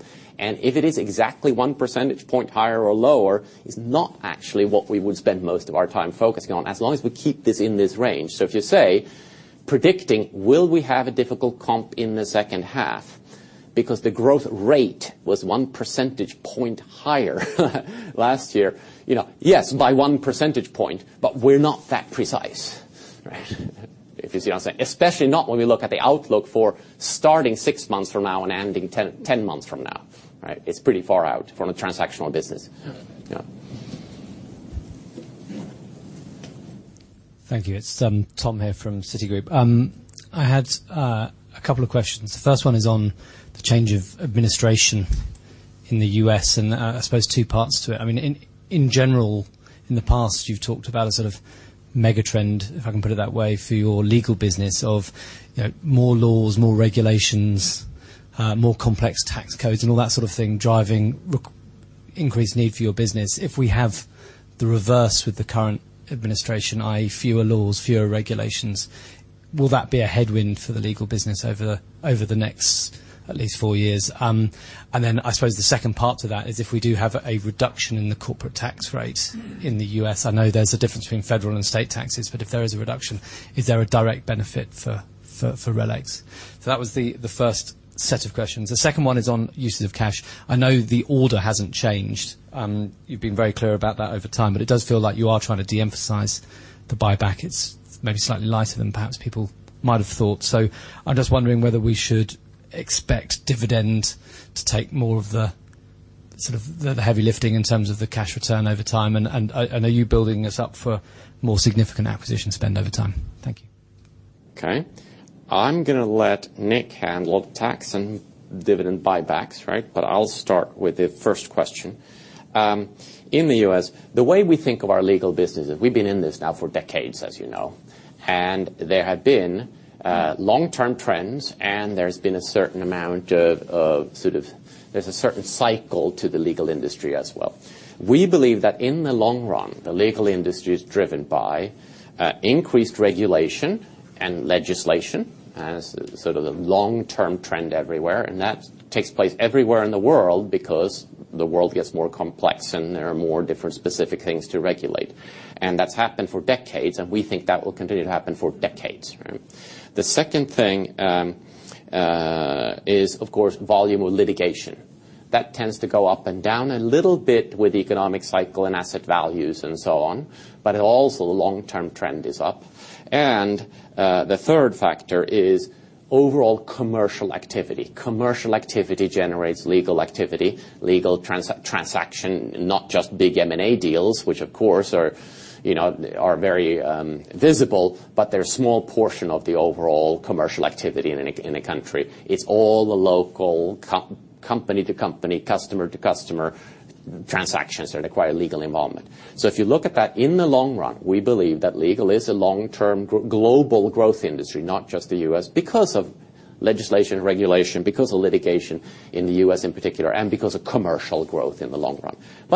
If it is exactly one percentage point higher or lower, it's not actually what we would spend most of our time focusing on, as long as we keep this in this range. If you say predicting will we have a difficult comp in the second half because the growth rate was one percentage point higher last year. Yes, by one percentage point, but we're not that precise. Right? If you see what I'm saying. Especially not when we look at the outlook for starting six months from now and ending 10 months from now. Right? It's pretty far out from a transactional business. Yeah. Yeah. Thank you. It's Tom here from Citigroup. I had a couple of questions. The first one is on the change of administration in the U.S., and I suppose two parts to it. In general, in the past, you've talked about a sort of mega trend, if I can put it that way, for your legal business of more laws, more regulations, more complex tax codes and all that sort of thing driving increased need for your business. If we have the reverse with the current administration, i.e., fewer laws, fewer regulations, will that be a headwind for the legal business over the next at least four years? I suppose the second part to that is if we do have a reduction in the corporate tax rate in the U.S., I know there's a difference between federal and state taxes, but if there is a reduction, is there a direct benefit for RELX? That was the first set of questions. The second one is on uses of cash. I know the order hasn't changed. You've been very clear about that over time, but it does feel like you are trying to de-emphasize the buyback. It's maybe slightly lighter than perhaps people might have thought. I'm just wondering whether we should expect dividend to take more of the heavy lifting in terms of the cash return over time. Are you building this up for more significant acquisition spend over time? Thank you. Okay. I'm going to let Nick handle tax and dividend buybacks, right? I'll start with the first question. In the U.S., the way we think of our legal business is we've been in this now for decades, as you know. There have been long term trends, and there's been a certain amount of There's a certain cycle to the legal industry as well. We believe that in the long run, the legal industry is driven by increased regulation and legislation as sort of the long term trend everywhere. That takes place everywhere in the world because the world gets more complex, and there are more different specific things to regulate. That's happened for decades, and we think that will continue to happen for decades. The second thing is, of course, volume of litigation. That tends to go up and down a little bit with the economic cycle and asset values and so on, but also the long-term trend is up. The third factor is overall commercial activity. Commercial activity generates legal activity, legal transaction, not just big M&A deals, which of course are very visible, but they're a small portion of the overall commercial activity in a country. It's all the local company-to-company, customer-to-customer transactions that require legal involvement. If you look at that, in the long run, we believe that legal is a long-term global growth industry, not just the U.S., because of legislation, regulation, because of litigation in the U.S. in particular, and because of commercial growth in the long run.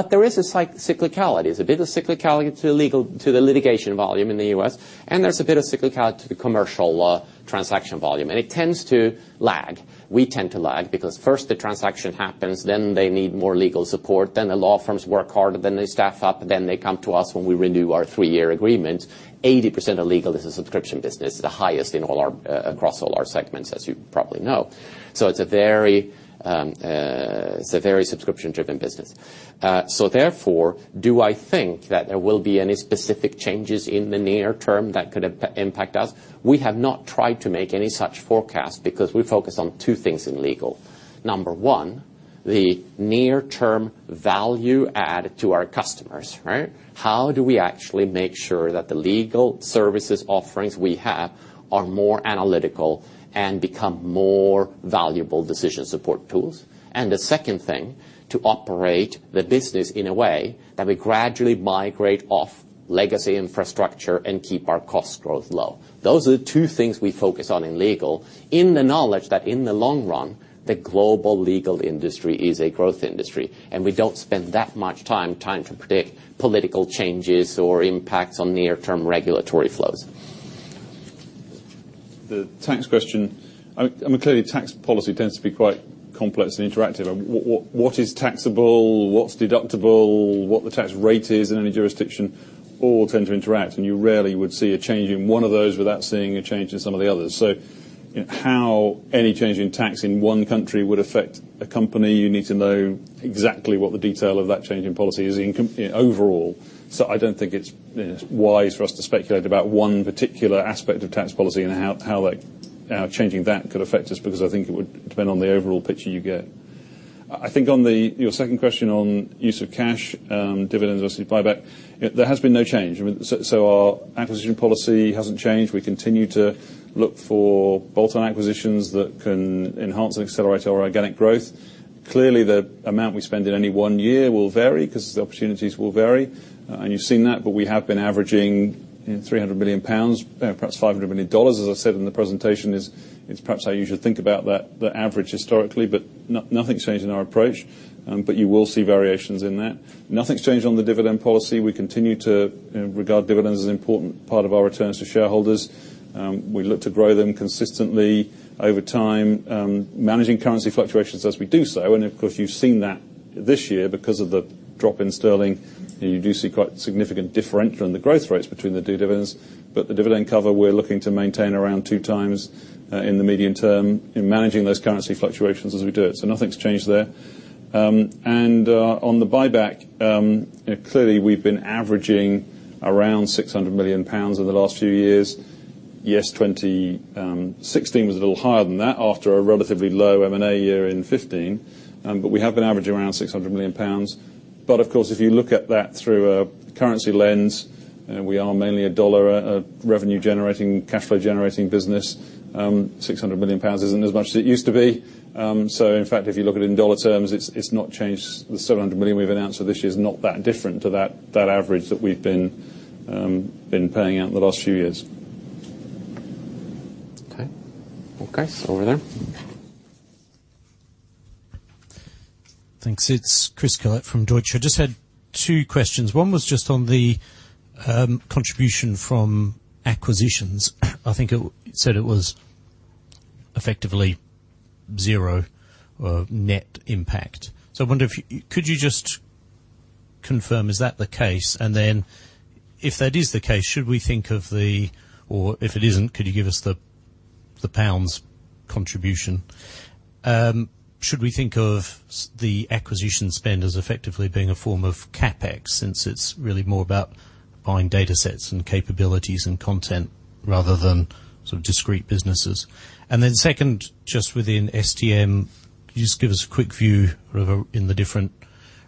There is a cyclicality. There's a bit of a cyclicality to the litigation volume in the U.S., and there's a bit of cyclicality to the commercial transaction volume. It tends to lag. We tend to lag because first the transaction happens, then they need more legal support, then the law firms work harder, then they staff up, then they come to us when we renew our three-year agreement. 80% of legal is a subscription business, the highest across all our segments, as you probably know. It's a very subscription-driven business. Do I think that there will be any specific changes in the near term that could impact us? We have not tried to make any such forecast because we focus on two things in legal. Number one, the near-term value add to our customers, right? How do we actually make sure that the legal services offerings we have are more analytical and become more valuable decision support tools? The second thing, to operate the business in a way that we gradually migrate off legacy infrastructure and keep our cost growth low. Those are the two things we focus on in legal, in the knowledge that in the long run, the global legal industry is a growth industry, and we don't spend that much time trying to predict political changes or impacts on near-term regulatory flows. The tax question. Clearly, tax policy tends to be quite complex and interactive. What is taxable? What's deductible? What the tax rate is in any jurisdiction all tend to interact, and you rarely would see a change in one of those without seeing a change in some of the others. How any change in tax in one country would affect a company, you need to know exactly what the detail of that change in policy is overall. I don't think it's wise for us to speculate about one particular aspect of tax policy and how changing that could affect us, because I think it would depend on the overall picture you get. I think on your second question on use of cash, dividends versus buyback, there has been no change. Our acquisition policy hasn't changed. We continue to look for bolt-on acquisitions that can enhance and accelerate our organic growth. Clearly, the amount we spend in any one year will vary because the opportunities will vary. You've seen that, but we have been averaging 300 million pounds, perhaps $500 million, as I said in the presentation, is perhaps how you should think about the average historically, but nothing's changed in our approach. You will see variations in that. Nothing's changed on the dividend policy. We continue to regard dividends as an important part of our returns to shareholders. We look to grow them consistently over time, managing currency fluctuations as we do so. Of course, you've seen that this year, because of the drop in sterling, you do see quite a significant differential in the growth rates between the two dividends. The dividend cover, we're looking to maintain around two times in the medium term in managing those currency fluctuations as we do it. Nothing's changed there. On the buyback, clearly, we've been averaging around 600 million pounds over the last few years. Yes, 2016 was a little higher than that after a relatively low M&A year in 2015. We have been averaging around 600 million pounds. Of course, if you look at that through a currency lens, we are mainly a dollar revenue-generating, cash flow-generating business. 600 million pounds isn't as much as it used to be. In fact, if you look at it in dollar terms, it's not changed. The 700 million we've announced for this year is not that different to that average that we've been paying out in the last few years. Okay. Over there. Thanks. It's Chris Gillett from Deutsche. I just had two questions. One was just on the contribution from acquisitions. I think it said it was effectively zero net impact. I wonder, could you just confirm, is that the case? If that is the case, should we think of the or if it isn't, could you give us the GBP contribution? Should we think of the acquisition spend as effectively being a form of CapEx, since it's really more about buying data sets and capabilities and content rather than discrete businesses? Second, just within STM, could you just give us a quick view in the different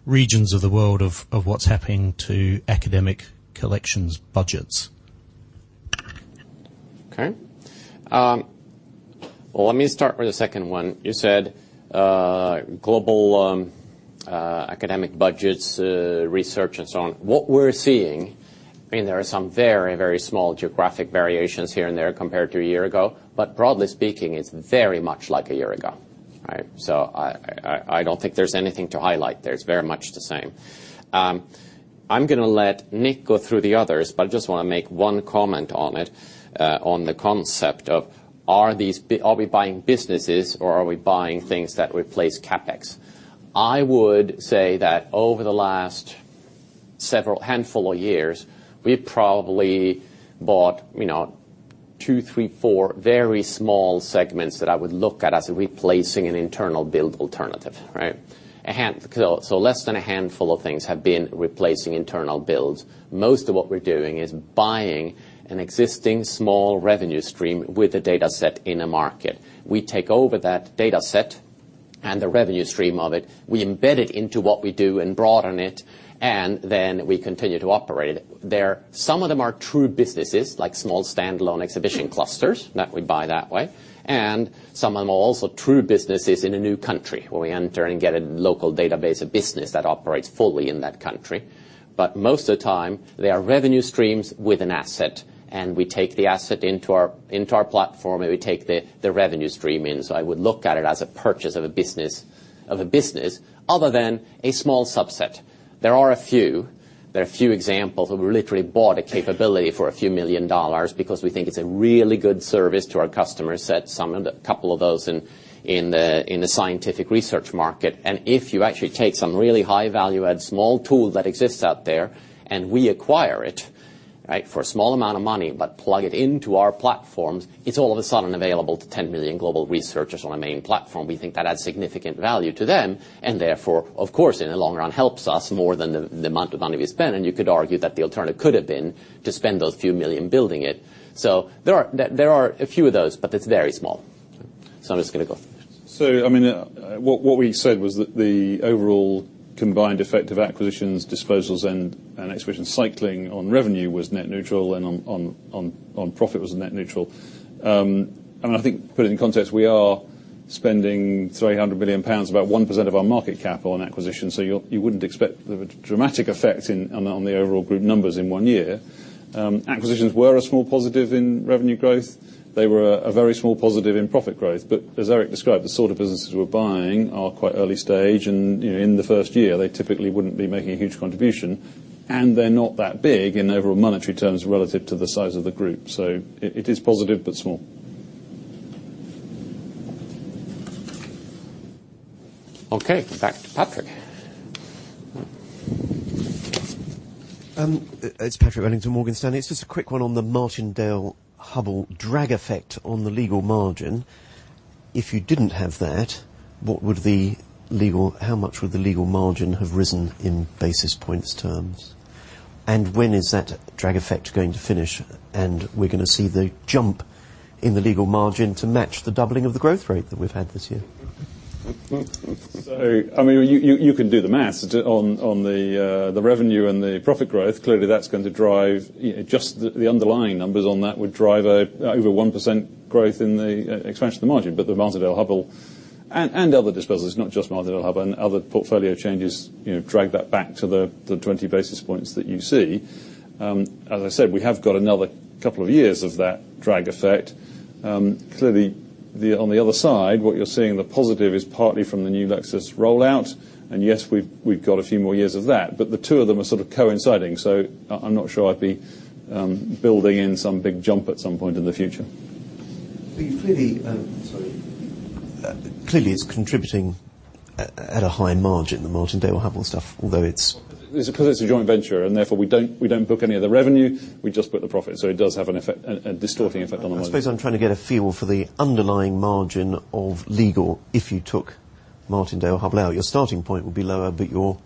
regions of the world of what's happening to academic collections budgets? Okay. Well, let me start with the second one. You said global academic budgets, research and so on. What we're seeing, there are some very, very small geographic variations here and there compared to a year ago, broadly speaking, it's very much like a year ago. I don't think there's anything to highlight there. It's very much the same. I'm going to let Nick go through the others, I just want to make one comment on it, on the concept of are we buying businesses or are we buying things that replace CapEx? I would say that over the last several handful of years, we've probably bought two, three, four very small segments that I would look at as replacing an internal build alternative, right? Less than a handful of things have been replacing internal builds. Most of what we're doing is buying an existing small revenue stream with a data set in a market. We take over that data set and the revenue stream of it, we embed it into what we do and broaden it, and then we continue to operate it. Some of them are true businesses, like small standalone exhibition clusters that we buy that way, and some of them are also true businesses in a new country, where we enter and get a local database, a business that operates fully in that country. Most of the time, they are revenue streams with an asset, and we take the asset into our platform, and we take the revenue stream in. I would look at it as a purchase of a business, other than a small subset. There are a few. There are a few examples of where we literally bought a capability for a few million USD because we think it's a really good service to our customers, a couple of those in the scientific research market. If you actually take some really high value add, small tool that exists out there, and we acquire it, right, for a small amount of money, but plug it into our platforms, it's all of a sudden available to 10 million global researchers on our main platform. We think that adds significant value to them, and therefore, of course, in the long run, helps us more than the amount of money we spend, and you could argue that the alternative could have been to spend those few million building it. There are a few of those, but it's very small. I'm just going to go. What we said was that the overall combined effect of acquisitions, disposals, and exhibition cycling on revenue was net neutral and on profit was net neutral. I think, put it in context, we are spending 300 million pounds, about 1% of our market capital, on acquisition, you wouldn't expect there would be a dramatic effect on the overall group numbers in one year. Acquisitions were a small positive in revenue growth. They were a very small positive in profit growth. As Erik described, the sort of businesses we're buying are quite early stage and, in the first year, they typically wouldn't be making a huge contribution, and they're not that big in overall monetary terms relative to the size of the group. It is positive, but small. Okay, back to Patrick. Patrick Wellington, Morgan Stanley. It's just a quick one on the Martindale-Hubbell drag effect on the legal margin. If you didn't have that, how much would the legal margin have risen in basis points terms? When is that drag effect going to finish, and we're going to see the jump in the legal margin to match the doubling of the growth rate that we've had this year? You can do the math on the revenue and the profit growth. Clearly, just the underlying numbers on that would drive over 1% growth in the expansion of the margin, but the Martindale-Hubbell, and other disposals, not just Martindale-Hubbell, and other portfolio changes drag that back to the 20 basis points that you see. As I said, we have got another couple of years of that drag effect. Clearly, on the other side, what you're seeing, the positive is partly from the new Lexis rollout. Yes, we've got a few more years of that. The two of them are sort of coinciding, so I'm not sure I'd be building in some big jump at some point in the future. Clearly. Sorry. Clearly, it's contributing at a high margin, the Martindale-Hubbell stuff, although it's- Because it's a joint venture, and therefore we don't book any of the revenue, we just put the profit. It does have a distorting effect on the margin. I suppose I'm trying to get a feel for the underlying margin of legal if you took Martindale-Hubbell out. Your starting point would be lower, your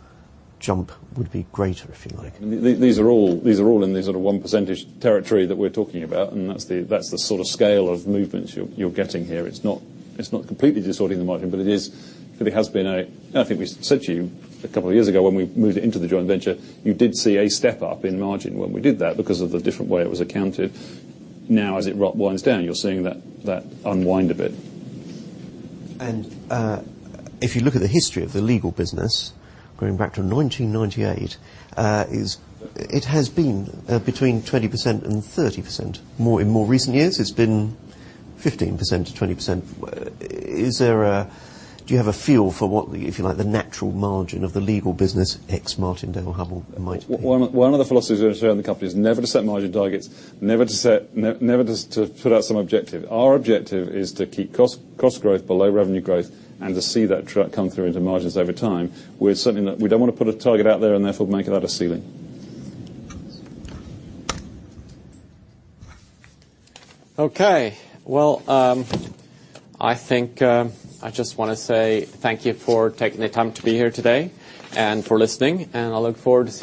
jump would be greater, if you like. These are all in the sort of one percentage territory that we're talking about, that's the sort of scale of movements you're getting here. It's not completely distorting the margin, it has been, I think we said to you a couple of years ago, when we moved it into the joint venture, you did see a step up in margin when we did that because of the different way it was accounted. As it winds down, you're seeing that unwind a bit. If you look at the history of the legal business, going back to 1998, it has been between 20%-30%. In more recent years, it's been 15%-20%. Do you have a feel for what, if you like, the natural margin of the legal business, ex Martindale-Hubbell, might be? One of the philosophies of the company is never to set margin targets, never to put out some objective. Our objective is to keep cost growth below revenue growth and to see that come through into margins over time. We're something that we don't want to put a target out there and therefore make it out of ceiling. Okay. Well, I think I just want to say thank you for taking the time to be here today and for listening, and I look forward to.